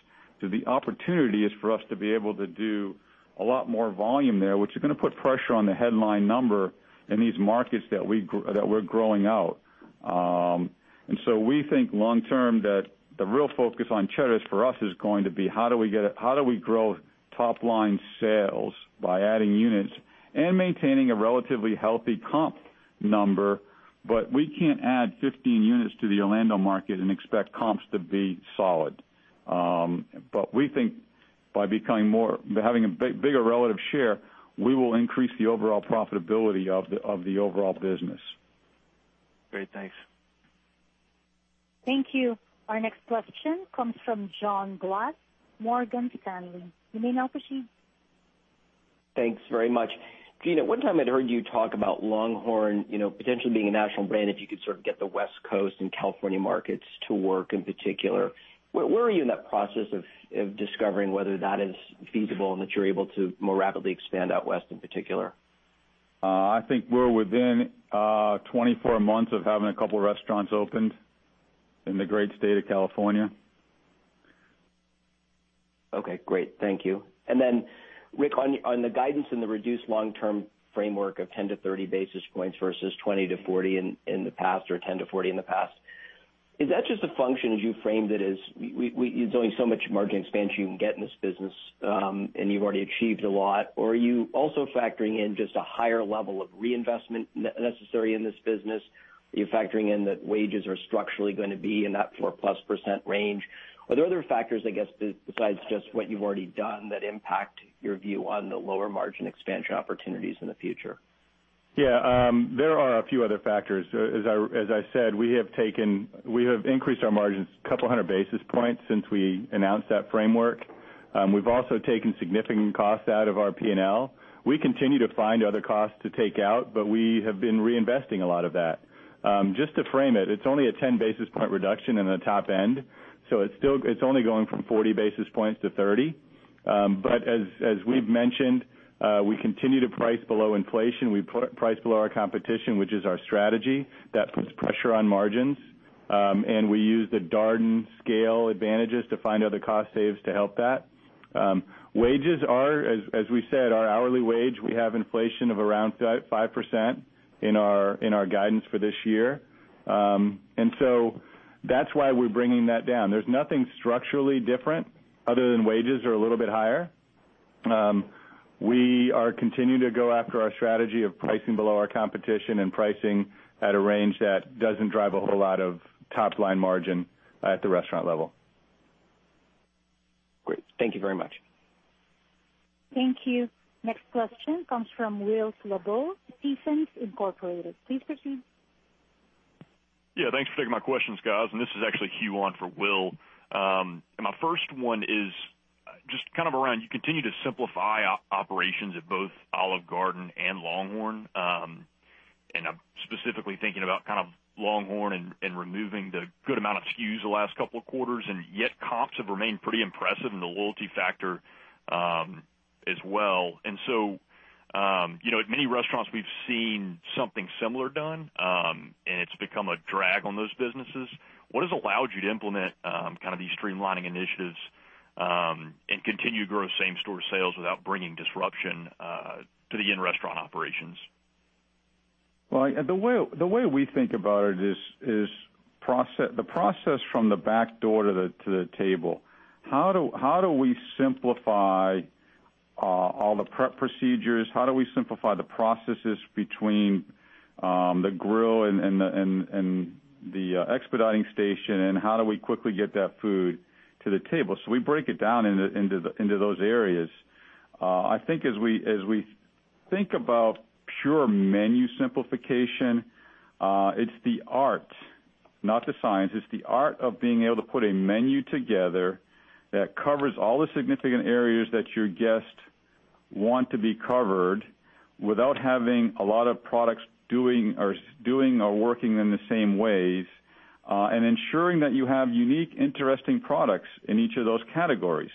The opportunity is for us to be able to do a lot more volume there, which is going to put pressure on the headline number in these markets that we're growing out. We think long term that the real focus on Cheddar's for us is going to be how do we grow top-line sales by adding units and maintaining a relatively healthy comp number. We can't add 15 units to the Orlando market and expect comps to be solid. We think by having a bigger relative share, we will increase the overall profitability of the overall business. Great. Thanks. Thank you. Our next question comes from John Glass, Morgan Stanley. You may now proceed. Thanks very much. Gene, at one time I'd heard you talk about LongHorn potentially being a national brand if you could sort of get the West Coast and California markets to work in particular. Where are you in that process of discovering whether that is feasible and that you're able to more rapidly expand out west in particular? I think we're within 24 months of having a couple of restaurants opened in the great state of California. Okay, great. Thank you. Rick, on the guidance in the reduced long-term framework of 10-30 basis points versus 20-40 in the past or 10-40 in the past, is that just a function as you framed it, as there's only so much margin expansion you can get in this business, and you've already achieved a lot, or are you also factoring in just a higher level of reinvestment necessary in this business? Are you factoring in that wages are structurally going to be in that 4%+ range? Are there other factors, I guess, besides just what you've already done that impact your view on the lower margin expansion opportunities in the future? Yeah, there are a few other factors. As I said, we have increased our margins a couple of hundred basis points since we announced that framework. We've also taken significant cost out of our P&L. We continue to find other costs to take out, but we have been reinvesting a lot of that. Just to frame it's only a 10 basis point reduction in the top end, so it's only going from 40 basis points to 30. As we've mentioned, we continue to price below inflation. We price below our competition, which is our strategy. That puts pressure on margins. We use the Darden scale advantages to find other cost saves to help that. Wages are, as we said, our hourly wage, we have inflation of around 5% in our guidance for this year. That's why we're bringing that down. There's nothing structurally different other than wages are a little bit higher. We are continuing to go after our strategy of pricing below our competition and pricing at a range that doesn't drive a whole lot of top-line margin at the restaurant level. Thank you very much. Thank you. Next question comes from Will Slabaugh, Stephens Incorporated. Please proceed. Yeah, thanks for taking my questions, guys. This is actually Q1 for Will. My first one is just around, I mean, you continue to simplify operations at both Olive Garden and LongHorn. I'm specifically thinking about LongHorn and removing the good amount of SKU the last couple of quarters, and yet comps have remained pretty impressive and the loyalty factor as well. At many restaurants, we've seen something similar done, and it's become a drag on those businesses. What has allowed you to implement these streamlining initiatives, and continue to grow same-store sales without bringing disruption to the in-restaurant operations? Well, the way we think about it is the process from the back door to the table. How do we simplify all the prep procedures? How do we simplify the processes between the grill and the expediting station, and how do we quickly get that food to the table? We break it down into those areas. I think as we think about pure menu simplification, it's the art, not the science. It's the art of being able to put a menu together that covers all the significant areas that your guests want to be covered without having a lot of products doing or working in the same ways, and ensuring that you have unique, interesting products in each of those categories.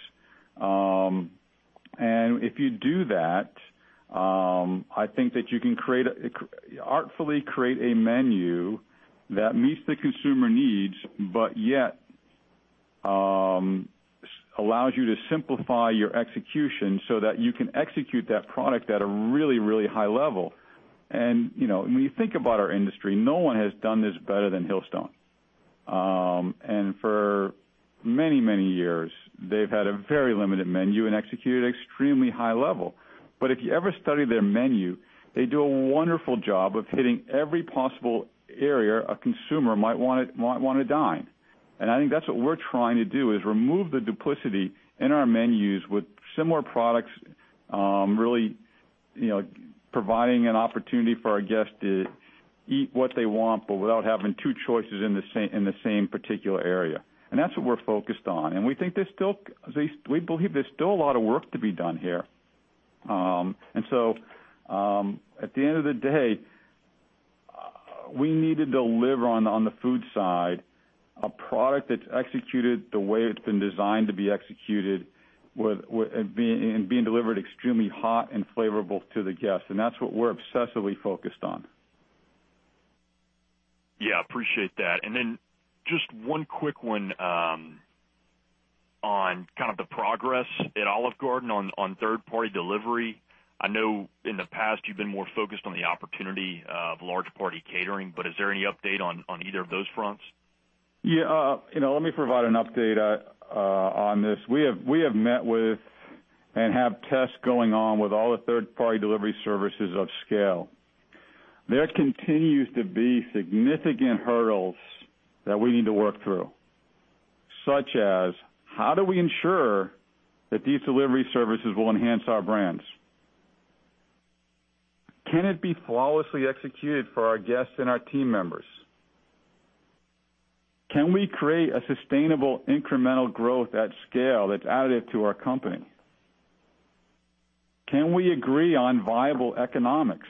If you do that, I think that you can artfully create a menu that meets the consumer needs, but yet allows you to simplify your execution so that you can execute that product at a really high level. When you think about our industry, no one has done this better than Hillstone. For many years, they've had a very limited menu and executed extremely high level. If you ever study their menu, they do a wonderful job of hitting every possible area a consumer might want to dine. I think that's what we're trying to do, is remove the duplicity in our menus with similar products, really providing an opportunity for our guests to eat what they want, but without having two choices in the same particular area. That's what we're focused on. We believe there's still a lot of work to be done here. At the end of the day, we need to deliver on the food side, a product that's executed the way it's been designed to be executed, and being delivered extremely hot and flavorful to the guests. That's what we're obsessively focused on. Yeah, appreciate that. Just one quick one on kind of the progress at Olive Garden on third-party delivery. I know in the past you've been more focused on the opportunity of large party catering, is there any update on either of those fronts? Yeah. Let me provide an update on this. We have met with and have tests going on with all the third-party delivery services of scale. There continues to be significant hurdles that we need to work through, such as how do we ensure that these delivery services will enhance our brands? Can it be flawlessly executed for our guests and our team members? Can we create a sustainable incremental growth at scale that's additive to our company? Can we agree on viable economics?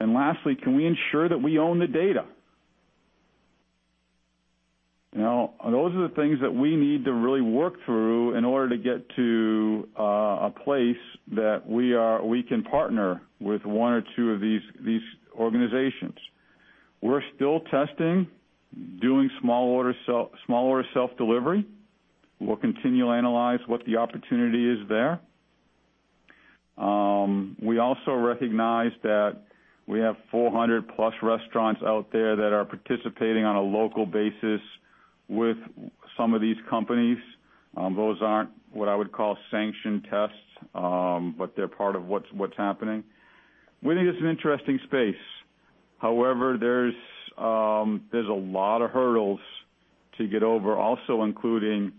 Lastly, can we ensure that we own the data? Those are the things that we need to really work through in order to get to a place that we can partner with one or two of these organizations. We're still testing, doing small order self-delivery. We'll continue to analyze what the opportunity is there. We also recognize that we have 400-plus restaurants out there that are participating on a local basis with some of these companies. Those aren't what I would call sanctioned tests, but they're part of what's happening. We think it's an interesting space. However, there's a lot of hurdles to get over also, including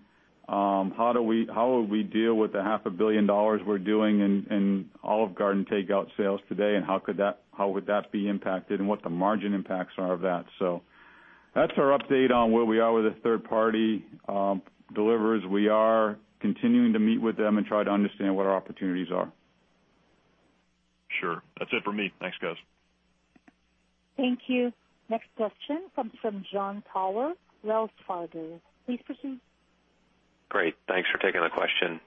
how will we deal with the half a billion dollars we're doing in Olive Garden takeout sales today, and how would that be impacted and what the margin impacts are of that. That's our update on where we are with the third party deliverers. We are continuing to meet with them and try to understand what our opportunities are. Sure. That's it for me. Thanks, guys. Thank you. Next question comes from Jon Tower, Wells Fargo. Please proceed. Great. Thanks for taking the question.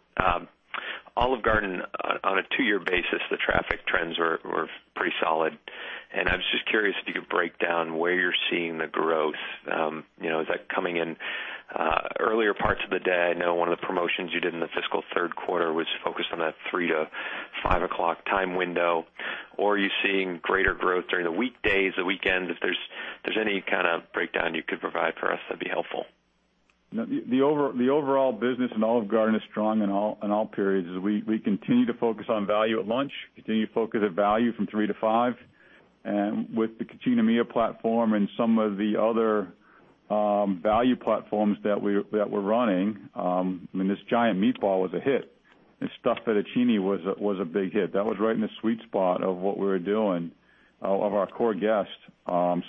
Olive Garden, on a two-year basis, the traffic trends were pretty solid. I was just curious if you could break down where you're seeing the growth. Is that coming in earlier parts of the day? I know one of the promotions you did in the fiscal third quarter was focused on that three to five o'clock time window. Are you seeing greater growth during the weekdays, the weekends? If there's any kind of breakdown you could provide for us, that'd be helpful. The overall business in Olive Garden is strong in all periods. We continue to focus on value at lunch, continue to focus at value from three to five. With the Cucina Mia platform and some of the other value platforms that we're running, this giant meatball was a hit, and stuffed fettuccine was a big hit. That was right in the sweet spot of what we were doing, of our core guests.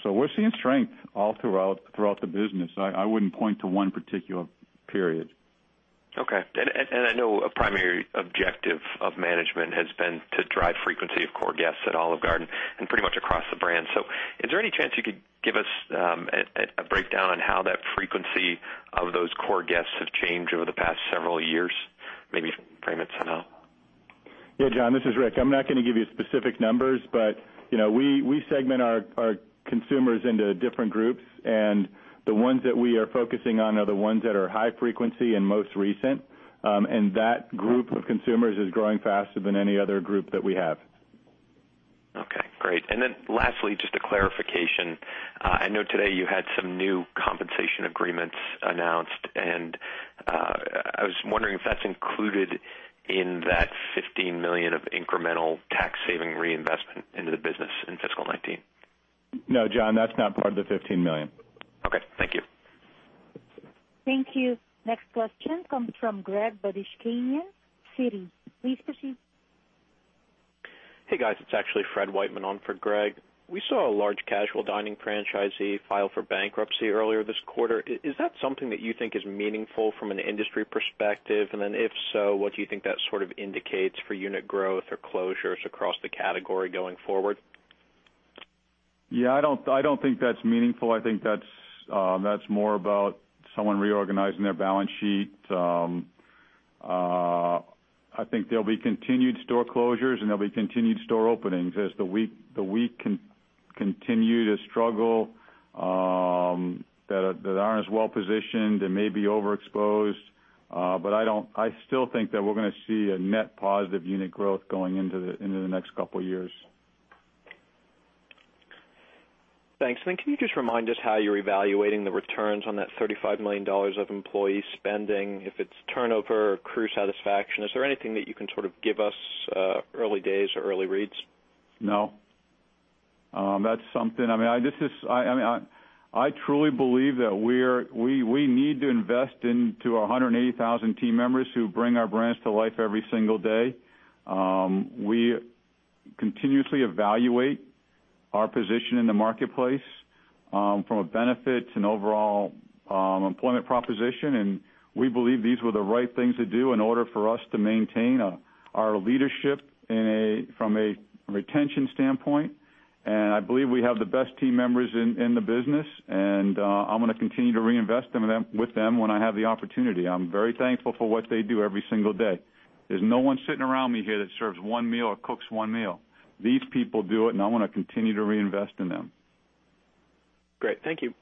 We're seeing strength all throughout the business. I wouldn't point to one particular period. Okay. I know a primary objective of management has been to drive frequency of core guests at Olive Garden and pretty much across the brand. Is there any chance you could give us a breakdown on how that frequency of those core guests have changed over the past several years? Maybe frame it somehow. Yeah, John, this is Rick. I'm not going to give you specific numbers, we segment our consumers into different groups, and the ones that we are focusing on are the ones that are high frequency and most recent. That group of consumers is growing faster than any other group that we have. Okay, great. Lastly, just a clarification. I know today you had some new compensation agreements announced, and I was wondering if that's included in that $15 million of incremental tax-saving reinvestment into the business in fiscal 2019. No, John, that's not part of the $15 million. Okay. Thank you. Thank you. Next question comes from Gregory Badishkanian, Citi. Please proceed. Hey, guys. It's actually Frederick Wightman on for Greg. We saw a large casual dining franchisee file for bankruptcy earlier this quarter. Is that something that you think is meaningful from an industry perspective? If so, what do you think that sort of indicates for unit growth or closures across the category going forward? Yeah, I don't think that's meaningful. I think that's more about someone reorganizing their balance sheet. I think there'll be continued store closures, and there'll be continued store openings as the weak continue to struggle, that aren't as well positioned and may be overexposed. I still think that we're going to see a net positive unit growth going into the next couple of years. Thanks. Can you just remind us how you're evaluating the returns on that $35 million of employee spending, if it's turnover or crew satisfaction? Is there anything that you can sort of give us early days or early reads? No. I truly believe that we need to invest into our 180,000 team members who bring our brands to life every single day. We continuously evaluate our position in the marketplace from a benefit and overall employment proposition, we believe these were the right things to do in order for us to maintain our leadership from a retention standpoint. I believe we have the best team members in the business, I'm going to continue to reinvest with them when I have the opportunity. I'm very thankful for what they do every single day. There's no one sitting around me here that serves one meal or cooks one meal. These people do it, I want to continue to reinvest in them. Great. Thank you.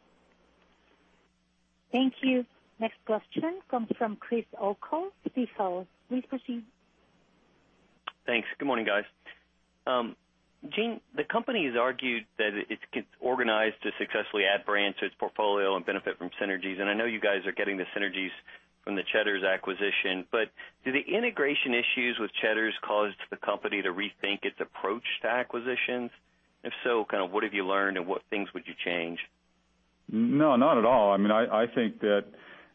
Thank you. Next question comes from Chris O'Cull, Stifel. Please proceed. Thanks. Good morning, guys. Gene, the company has argued that it's organized to successfully add brands to its portfolio and benefit from synergies, and I know you guys are getting the synergies from the Cheddar's acquisition. Do the integration issues with Cheddar's cause the company to rethink its approach to acquisitions? If so, kind of what have you learned and what things would you change? No, not at all. I think that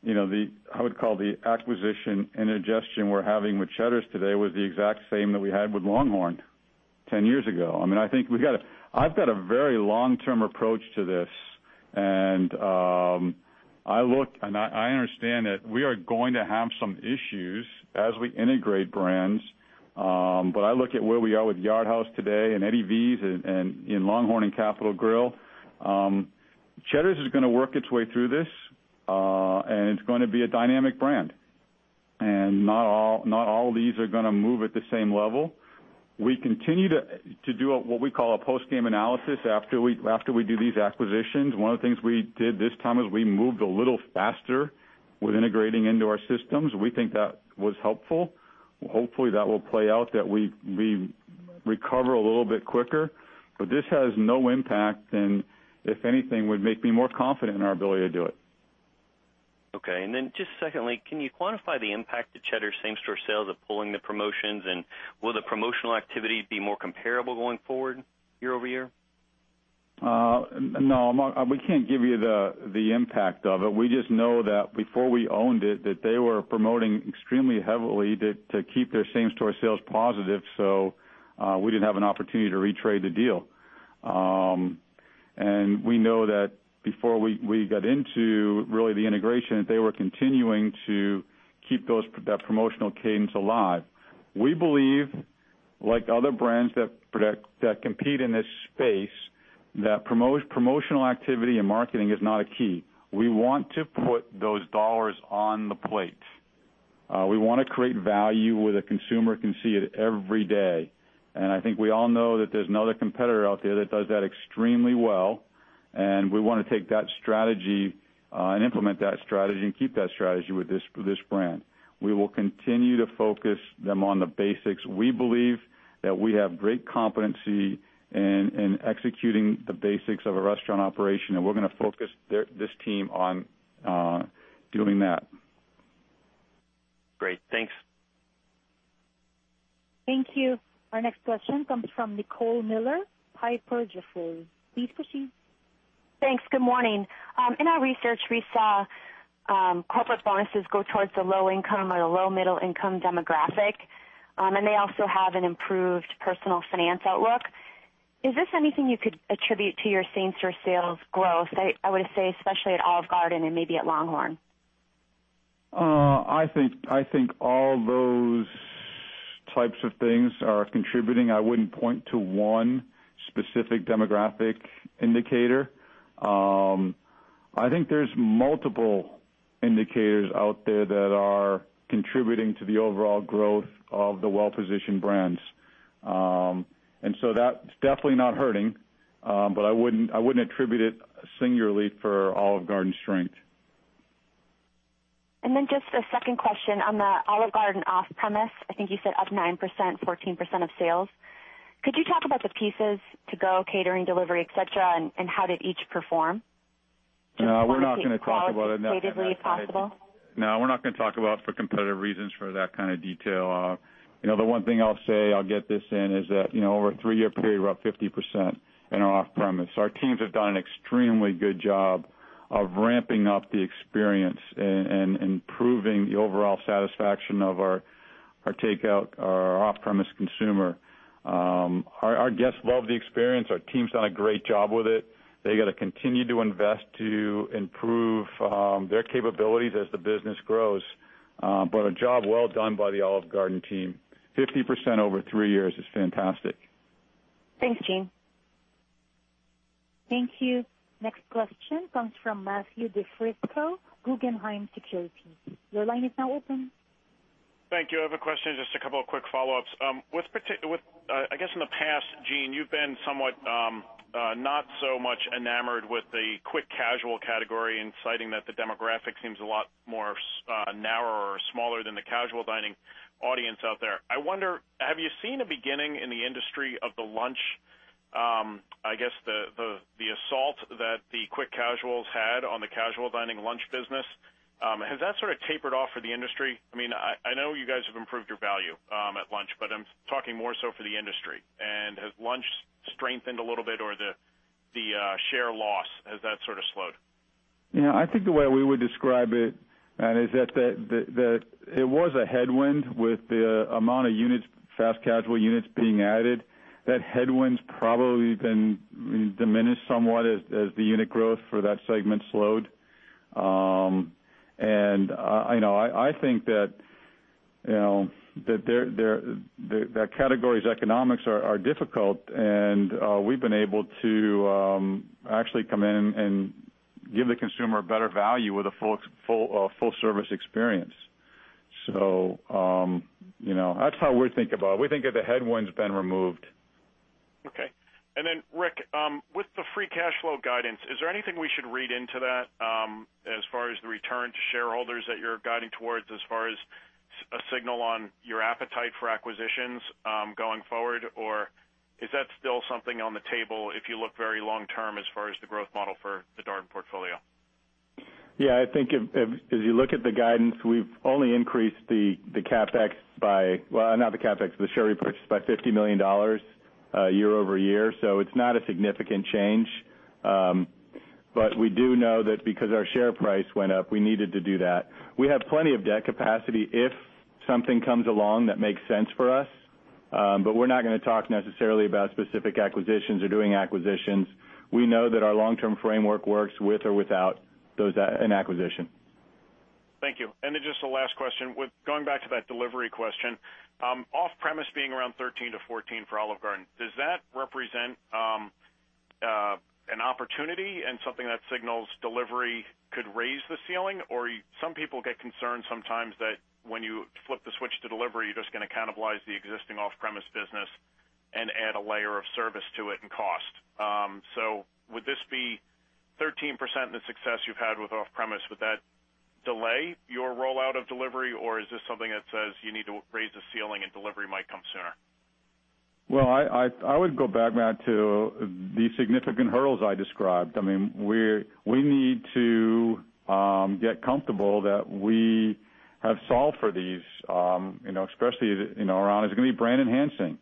I would call the acquisition and ingestion we're having with Cheddar's today was the exact same that we had with LongHorn 10 years ago. I've got a very long-term approach to this, and I understand that we are going to have some issues as we integrate brands. I look at where we are with Yard House today and Eddie V's and LongHorn and Capital Grille. Cheddar's is going to work its way through this, and it's going to be a dynamic brand. Not all of these are going to move at the same level. We continue to do what we call a post-game analysis after we do these acquisitions. One of the things we did this time is we moved a little faster with integrating into our systems. We think that was helpful. Hopefully, that will play out that we recover a little bit quicker. This has no impact, and if anything, would make me more confident in our ability to do it. Okay. Then just secondly, can you quantify the impact to Cheddar's same-store sales of pulling the promotions? Will the promotional activity be more comparable going forward year-over-year? No, we can't give you the impact of it. We just know that before we owned it, that they were promoting extremely heavily to keep their same-store sales positive. We didn't have an opportunity to retrade the deal. We know that before we got into really the integration, that they were continuing to keep that promotional cadence alive. We believe, like other brands that compete in this space, that promotional activity and marketing is not a key. We want to put those dollars on the plate. We want to create value where the consumer can see it every day. I think we all know that there's another competitor out there that does that extremely well, and we want to take that strategy and implement that strategy and keep that strategy with this brand. We will continue to focus them on the basics. We believe that we have great competency in executing the basics of a restaurant operation, and we're going to focus this team on doing that. Great. Thanks. Thank you. Our next question comes from Nicole Miller, Piper Jaffray. Please proceed. Thanks. Good morning. In our research, we saw corporate bonuses go towards the low income or the low middle income demographic, and they also have an improved personal finance outlook. Is this anything you could attribute to your same-store sales growth? I would say especially at Olive Garden and maybe at LongHorn. I think all those types of things are contributing. I wouldn't point to one specific demographic indicator. I think there's multiple indicators out there that are contributing to the overall growth of the well-positioned brands. So that's definitely not hurting. I wouldn't attribute it singularly for Olive Garden strength. Just a second question on the Olive Garden off-premise, I think you said up 9%, 14% of sales. Could you talk about the pieces to-go, catering, delivery, et cetera, and how did each perform? No, we're not going to talk about it. Qualitatively, if possible. No, we're not going to talk about for competitive reasons for that kind of detail. The one thing I'll say, I'll get this in, is that, over a three-year period, we're up 50% in our off-premise. Our teams have done an extremely good job of ramping up the experience and improving the overall satisfaction of our takeout, our off-premise consumer. Our guests love the experience. Our team's done a great job with it. They got to continue to invest to improve their capabilities as the business grows. A job well done by the Olive Garden team. 50% over three years is fantastic. Thanks, Gene. Thank you. Next question comes from Matthew DiFrisco, Guggenheim Securities. Your line is now open. Thank you. I have a question, just a couple of quick follow-ups. I guess in the past, Gene, you've been somewhat not so much enamored with the quick casual category and citing that the demographic seems a lot more narrower or smaller than the casual dining audience out there. I wonder, have you seen a beginning in the industry of the lunch, I guess the assault that the quick casuals had on the casual dining lunch business. Has that sort of tapered off for the industry? I know you guys have improved your value at lunch, I'm talking more so for the industry. Has lunch strengthened a little bit or the share loss, has that sort of slowed? Yeah, I think the way we would describe it is that it was a headwind with the amount of fast casual units being added. That headwind's probably been diminished somewhat as the unit growth for that segment slowed. I think that that category's economics are difficult, and we've been able to actually come in and give the consumer a better value with a full-service experience. That's how we think about it. We think that the headwind's been removed. Okay. Rick, with the free cash flow guidance, is there anything we should read into that as far as the return to shareholders that you're guiding towards as far as a signal on your appetite for acquisitions going forward? Is that still something on the table if you look very long-term as far as the growth model for the Darden portfolio? Yeah, I think if you look at the guidance, we've only increased the share repurchase by $50 million year-over-year. It's not a significant change. We do know that because our share price went up, we needed to do that. We have plenty of debt capacity if something comes along that makes sense for us. We're not going to talk necessarily about specific acquisitions or doing acquisitions. We know that our long-term framework works with or without an acquisition. Thank you. Just the last question, going back to that delivery question. Off-premise being around 13%-14% for Olive Garden, does that represent an opportunity and something that signals delivery could raise the ceiling? Or some people get concerned sometimes that when you flip the switch to delivery, you're just going to cannibalize the existing off-premise business and add a layer of service to it and cost. Would this be 13% in the success you've had with off-premise? Would that delay your rollout of delivery? Or is this something that says you need to raise the ceiling and delivery might come sooner? Well, I would go back, Matthew, to the significant hurdles I described. We need to get comfortable that we have solved for these, especially around, is it going to be brand enhancing?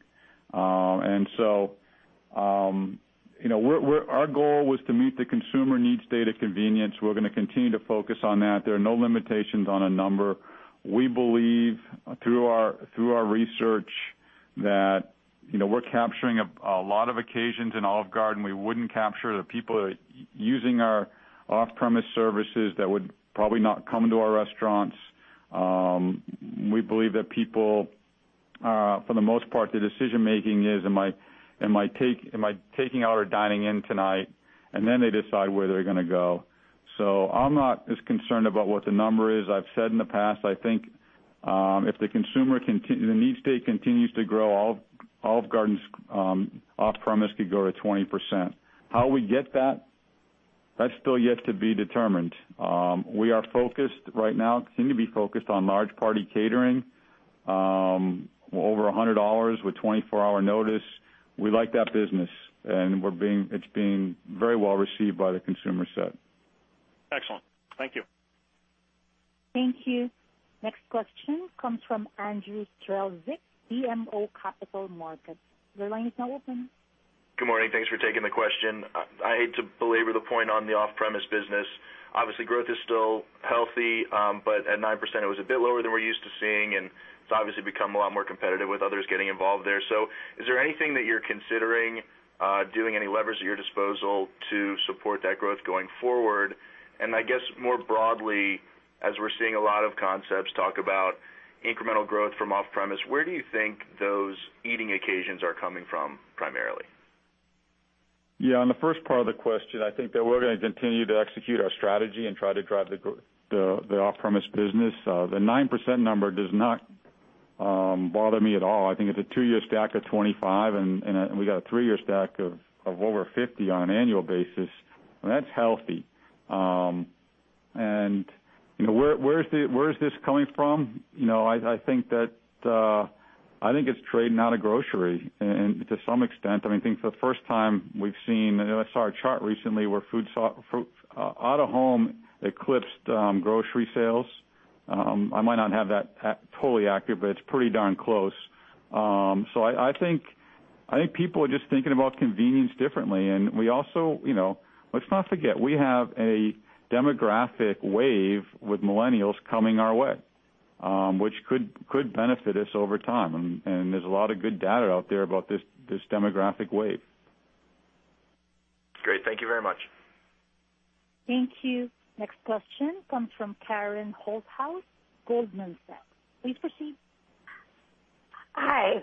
Our goal was to meet the consumer needs state of convenience. We're going to continue to focus on that. There are no limitations on a number. We believe through our research that we're capturing a lot of occasions in Olive Garden we wouldn't capture. The people are using our off-premise services that would probably not come to our restaurants. We believe that people, for the most part, the decision-making is, am I taking out or dining in tonight? They decide where they're going to go. I'm not as concerned about what the number is. I've said in the past, I think if the need state continues to grow, Olive Garden's off-premise could go to 20%. How we get that's still yet to be determined. We are focused right now, continue to be focused on large party catering over $100 with 24-hour notice. We like that business, and it's being very well received by the consumer set. Excellent. Thank you. Thank you. Next question comes from Andrew Strelzik, BMO Capital Markets. Your line is now open. Good morning. Thanks for taking the question. I hate to belabor the point on the off-premise business. Obviously, growth is still healthy, at 9%, it was a bit lower than we're used to seeing, and it's obviously become a lot more competitive with others getting involved there. Is there anything that you're considering doing, any levers at your disposal to support that growth going forward? I guess more broadly, as we're seeing a lot of concepts talk about incremental growth from off-premise, where do you think those eating occasions are coming from primarily? Yeah, on the first part of the question, I think that we're going to continue to execute our strategy and try to drive the off-premise business. The 9% number does not bother me at all. I think it's a two-year stack of 25, and we got a three-year stack of over 50 on an annual basis. That's healthy. Where is this coming from? I think it's trading out of grocery to some extent. I think for the first time we've seen I saw a chart recently where out-of-home eclipsed grocery sales. I might not have that totally accurate, but it's pretty darn close. I think people are just thinking about convenience differently. Let's not forget, we have a demographic wave with millennials coming our way, which could benefit us over time. There's a lot of good data out there about this demographic wave. Great. Thank you very much. Thank you. Next question comes from Karen Holthouse, Goldman Sachs. Please proceed. Hi.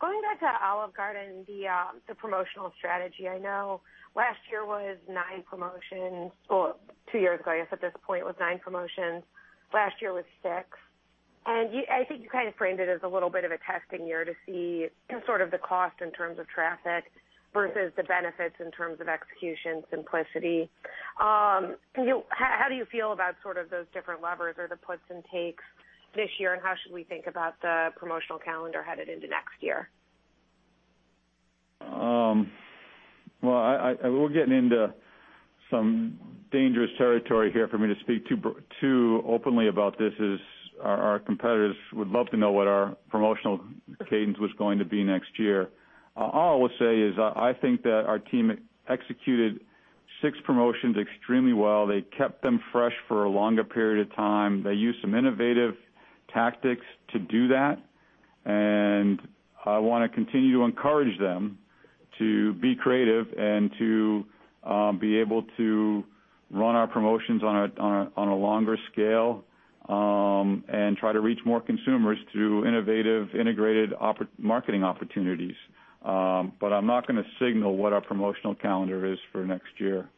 Going back to Olive Garden, the promotional strategy. I know last year was nine promotions. Well, two years ago, I guess at this point, it was nine promotions. Last year, it was six. I think you kind of framed it as a little bit of a testing year to see sort of the cost in terms of traffic versus the benefits in terms of execution simplicity. How do you feel about sort of those different levers or the puts and takes this year, and how should we think about the promotional calendar headed into next year? Well, we're getting into some dangerous territory here for me to speak too openly about this, as our competitors would love to know what our promotional cadence was going to be next year. All I will say is, I think that our team executed six promotions extremely well. They kept them fresh for a longer period of time. They used some innovative tactics to do that, and I want to continue to encourage them to be creative and to be able to run our promotions on a longer scale and try to reach more consumers through innovative, integrated marketing opportunities. I'm not going to signal what our promotional calendar is for next year.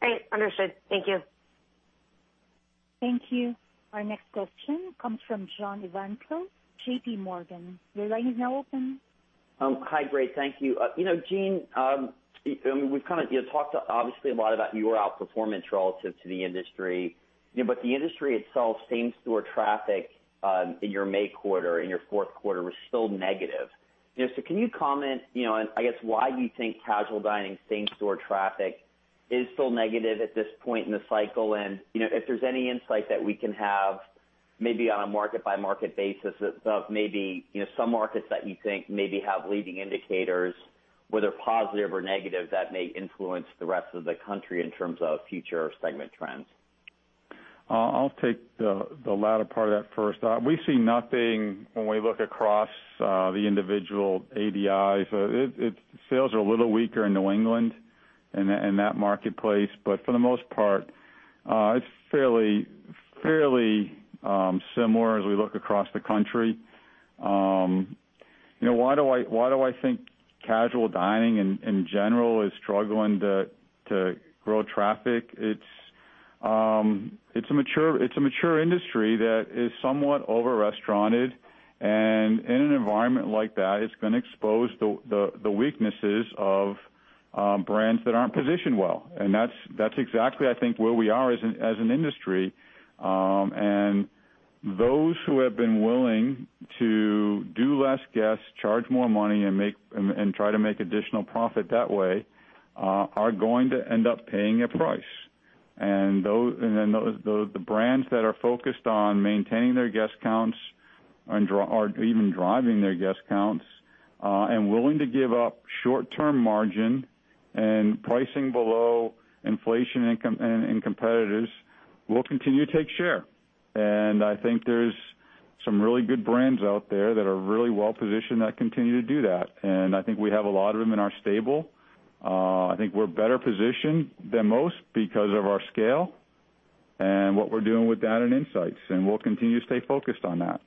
Great. Understood. Thank you. Thank you. Our next question comes from John Ivankoe, J.P. Morgan. Your line is now open. Hi, great. Thank you. Gene, we've kind of talked obviously a lot about your outperformance relative to the industry. The industry itself, same-store traffic in your May quarter, in your fourth quarter, was still negative. Can you comment, I guess, why you think casual dining same-store traffic is still negative at this point in the cycle? If there's any insight that we can have maybe on a market-by-market basis of maybe some markets that you think maybe have leading indicators, whether positive or negative, that may influence the rest of the country in terms of future segment trends. I'll take the latter part of that first. We see nothing when we look across the individual ADIs. Sales are a little weaker in New England, in that marketplace. For the most part, it's fairly similar as we look across the country. Why do I think casual dining in general is struggling to grow traffic? It's a mature industry that is somewhat over restauranted, and in an environment like that, it's going to expose the weaknesses of brands that aren't positioned well. That's exactly I think where we are as an industry. Those who have been willing to do less guests, charge more money and try to make additional profit that way, are going to end up paying a price. The brands that are focused on maintaining their guest counts or even driving their guest counts and willing to give up short-term margin and pricing below inflation and competitors will continue to take share. I think there's some really good brands out there that are really well-positioned that continue to do that. I think we have a lot of them in our stable. I think we're better positioned than most because of our scale and what we're doing with data and insights, and we'll continue to stay focused on that.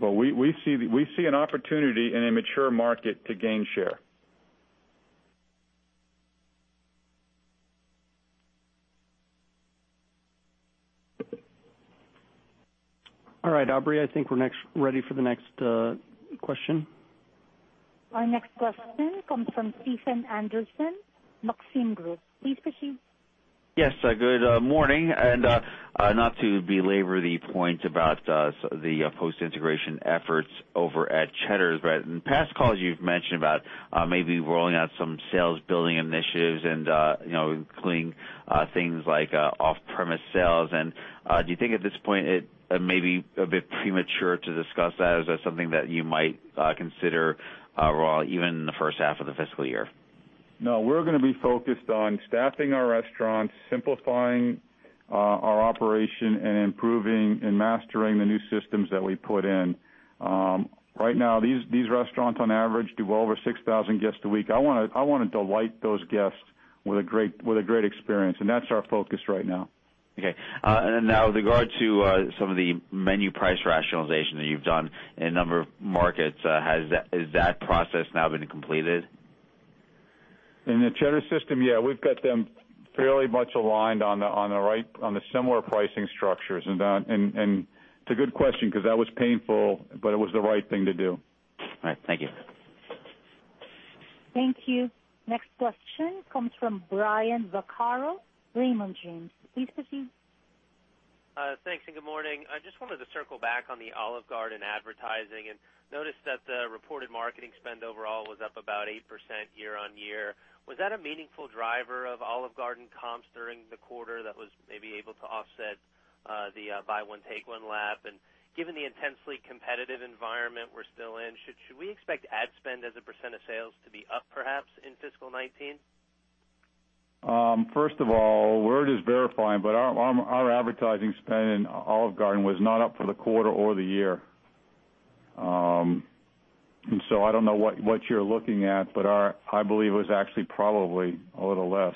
We see an opportunity in a mature market to gain share. All right, Aubrey, I think we're ready for the next question. Our next question comes from Stephen Anderson, Maxim Group. Please proceed. Yes. Good morning. Not to belabor the point about the post-integration efforts over at Cheddar's. In past calls, you've mentioned about maybe rolling out some sales building initiatives and including things like off-premise sales. Do you think at this point it may be a bit premature to discuss that as something that you might consider rolling out even in the first half of the fiscal year? No, we're going to be focused on staffing our restaurants, simplifying our operation, and improving and mastering the new systems that we put in. Right now, these restaurants on average do well over 6,000 guests a week. I want to delight those guests with a great experience, and that's our focus right now. Okay. Now with regard to some of the menu price rationalization that you've done in a number of markets, has that process now been completed? In the Cheddar system, yeah. We've got them fairly much aligned on the similar pricing structures. It's a good question, because that was painful, but it was the right thing to do. All right. Thank you. Thank you. Next question comes from Brian Vaccaro, Raymond James. Please proceed. Thanks. Good morning. I just wanted to circle back on the Olive Garden advertising and noticed that the reported marketing spend overall was up about 8% year-on-year. Was that a meaningful driver of Olive Garden comps during the quarter that was maybe able to offset the Buy One, Take One lap? Given the intensely competitive environment we're still in, should we expect ad spend as a % of sales to be up, perhaps, in fiscal 2019? First of all, but worth verifying, our advertising spend in Olive Garden was not up for the quarter or the year. I don't know what you're looking at, I believe it was actually probably a little less.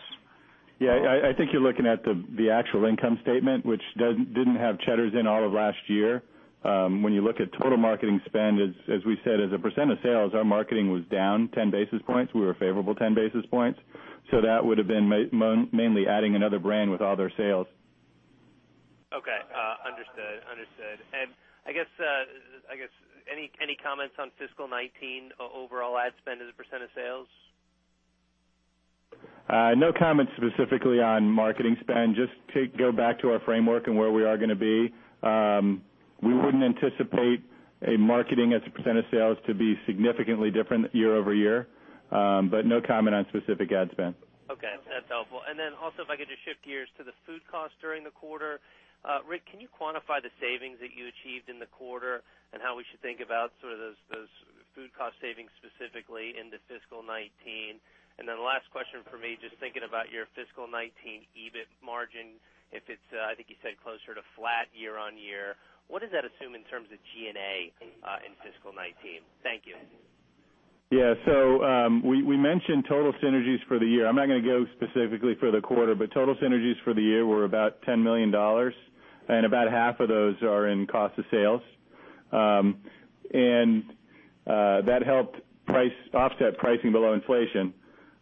Yeah, I think you're looking at the actual income statement, which didn't have Cheddar's in all of last year. When you look at total marketing spend, as we said, as a % of sales, our marketing was down 10 basis points. We were favorable 10 basis points. That would've been mainly adding another brand with all their sales. Okay. Understood. I guess, any comments on fiscal 2019 overall ad spend as a % of sales? No comment specifically on marketing spend. Just to go back to our framework and where we are going to be. We wouldn't anticipate a marketing as a % of sales to be significantly different year-over-year. No comment on specific ad spend. Okay. That's helpful. Also, if I could just shift gears to the food cost during the quarter. Rick, can you quantify the savings that you achieved in the quarter and how we should think about sort of those food cost savings specifically into fiscal 2019? Last question from me, just thinking about your fiscal 2019 EBIT margin, I think you said closer to flat year-on-year. What does that assume in terms of G&A in fiscal 2019? Thank you. Yeah. We mentioned total synergies for the year. I'm not going to go specifically for the quarter, total synergies for the year were about $10 million, and about half of those are in cost of sales. That helped offset pricing below inflation.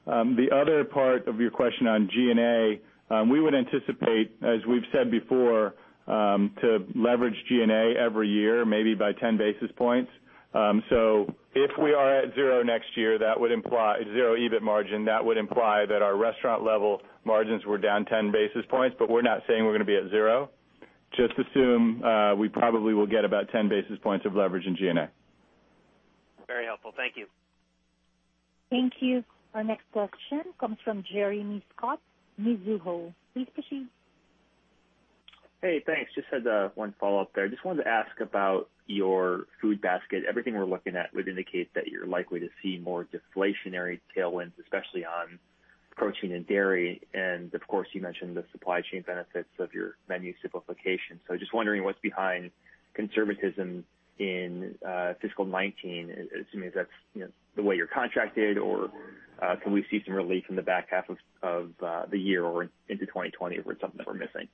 The other part of your question on G&A, we would anticipate, as we've said before, to leverage G&A every year, maybe by 10 basis points. If we are at zero next year, zero EBIT margin, that would imply that our restaurant level margins were down 10 basis points, we're not saying we're going to be at zero. Just assume we probably will get about 10 basis points of leverage in G&A. Very helpful. Thank you. Thank you. Our next question comes from Jeremy Scott, Mizuho. Please proceed. Hey, thanks. Just had one follow-up there. Just wanted to ask about your food basket. Everything we're looking at would indicate that you're likely to see more deflationary tailwinds, especially on protein and dairy. Of course, you mentioned the supply chain benefits of your menu simplification. Just wondering what's behind conservatism in fiscal 2019. Assuming that's the way you're contracted, or can we see some relief in the back half of the year or into 2020 or if it's something that we're missing?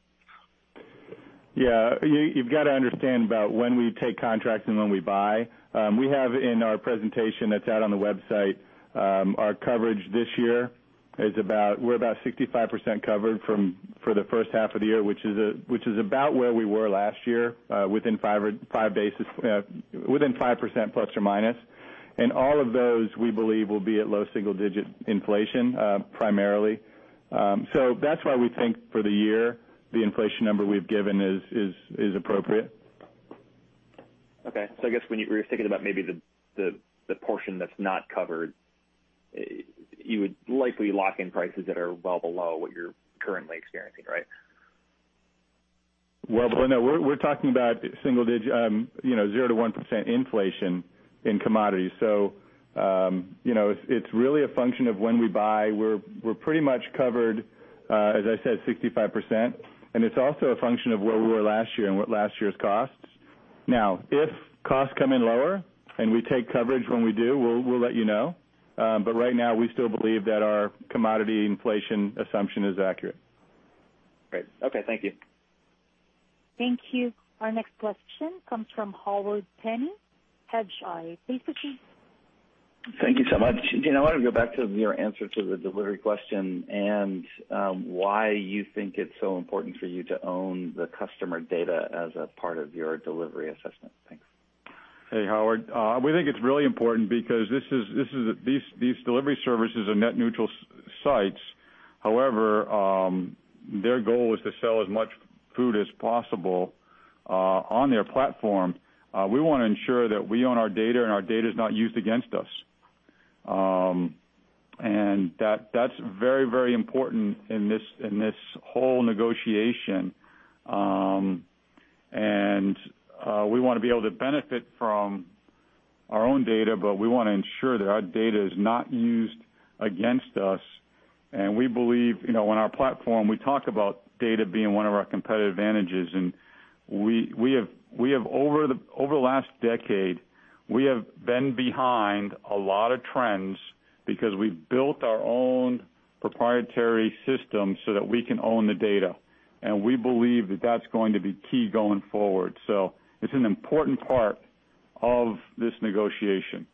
Yeah. You've got to understand about when we take contracts and when we buy. We have in our presentation that's out on the website our coverage this year. We're about 65% covered for the first half of the year, which is about where we were last year within 5% ±. All of those, we believe, will be at low single digit inflation, primarily. That's why we think for the year, the inflation number we've given is appropriate. Okay. I guess when you're thinking about maybe the portion that's not covered, you would likely lock in prices that are well below what you're currently experiencing, right? No. We're talking about single digit, 0 to 1% inflation in commodities. It's really a function of when we buy. We're pretty much covered, as I said, 65%. It's also a function of where we were last year and what last year's costs. If costs come in lower and we take coverage when we do, we'll let you know. Right now, we still believe that our commodity inflation assumption is accurate. Great. Okay. Thank you. Thank you. Our next question comes from Howard Penney, Hedgeye. Please proceed. Thank you so much. Gene, I want to go back to your answer to the delivery question and why you think it's so important for you to own the customer data as a part of your delivery assessment. Thanks. Hey, Howard. We think it's really important because these delivery services are net neutral sites. However, their goal is to sell as much food as possible on their platform. We want to ensure that we own our data, and our data is not used against us. That's very important in this whole negotiation. We want to be able to benefit from our own data, but we want to ensure that our data is not used against us. We believe, on our platform, we talk about data being one of our competitive advantages. Over the last decade, we have been behind a lot of trends because we've built our own proprietary system so that we can own the data. We believe that that's going to be key going forward. It's an important part of this negotiation.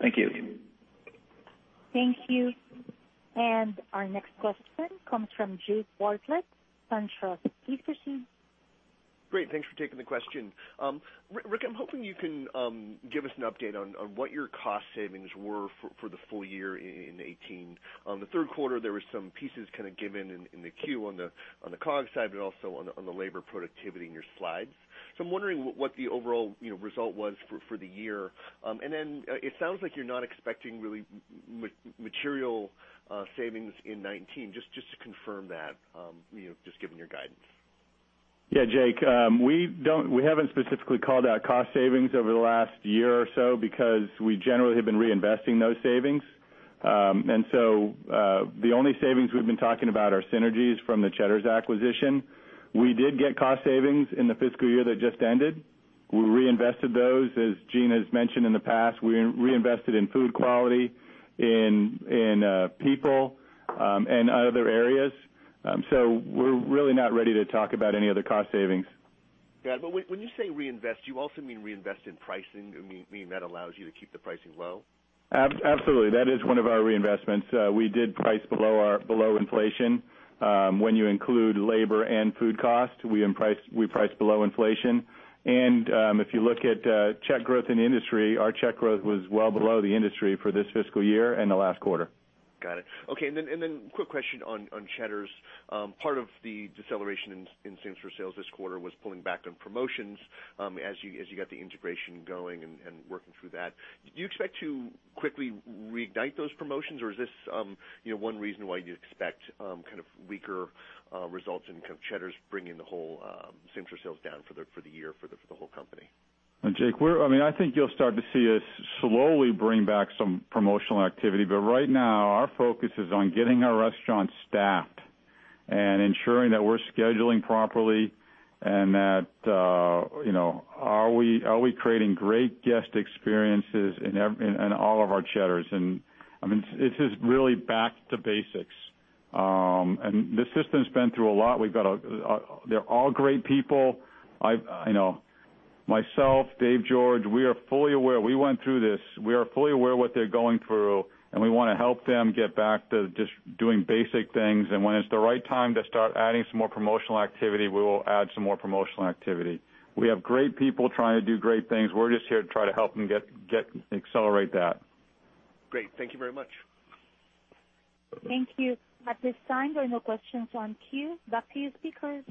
Thank you. Thank you. Our next question comes from Jake Bartlett, SunTrust Robinson. Great. Thanks for taking the question. Rick, I'm hoping you can give us an update on what your cost savings were for the full year in 2018. On the third quarter, there were some pieces kind of given in the Q on the COGS side, but also on the labor productivity in your slides. I'm wondering what the overall result was for the year. Then it sounds like you're not expecting really material savings in 2019, just to confirm that, just given your guidance. Jake. We haven't specifically called out cost savings over the last year or so because we generally have been reinvesting those savings. The only savings we've been talking about are synergies from the Cheddar's acquisition. We did get cost savings in the fiscal year that just ended. We reinvested those, as Gene has mentioned in the past. We reinvested in food quality, in people, and other areas. We're really not ready to talk about any other cost savings. When you say reinvest, you also mean reinvest in pricing, meaning that allows you to keep the pricing low? Absolutely. That is one of our reinvestments. We did price below inflation. When you include labor and food cost, we priced below inflation. If you look at check growth in the industry, our check growth was well below the industry for this fiscal year and the last quarter. Got it. Okay, quick question on Cheddar's. Part of the deceleration in same-store sales this quarter was pulling back on promotions as you got the integration going and working through that. Do you expect to quickly reignite those promotions? Is this one reason why you expect kind of weaker results in kind of Cheddar's bringing the whole same-store sales down for the year for the whole company? Jake, I think you'll start to see us slowly bring back some promotional activity. Right now, our focus is on getting our restaurant staffed and ensuring that we're scheduling properly and that are we creating great guest experiences in all of our Cheddar's? This is really back to basics. The system's been through a lot. They're all great people. Myself, David George, we are fully aware. We went through this. We are fully aware what they're going through, and we want to help them get back to just doing basic things. When it's the right time to start adding some more promotional activity, we will add some more promotional activity. We have great people trying to do great things. We're just here to try to help them accelerate that. Great. Thank you very much. Thank you. At this time, there are no questions on queue. Back to you, speakers.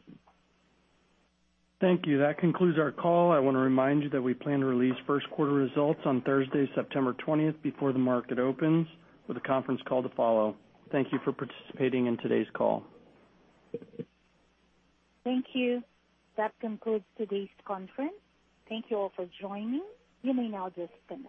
Thank you. That concludes our call. I want to remind you that we plan to release first quarter results on Thursday, September 20th before the market opens with a conference call to follow. Thank you for participating in today's call. Thank you. That concludes today's conference. Thank you all for joining. You may now disconnect.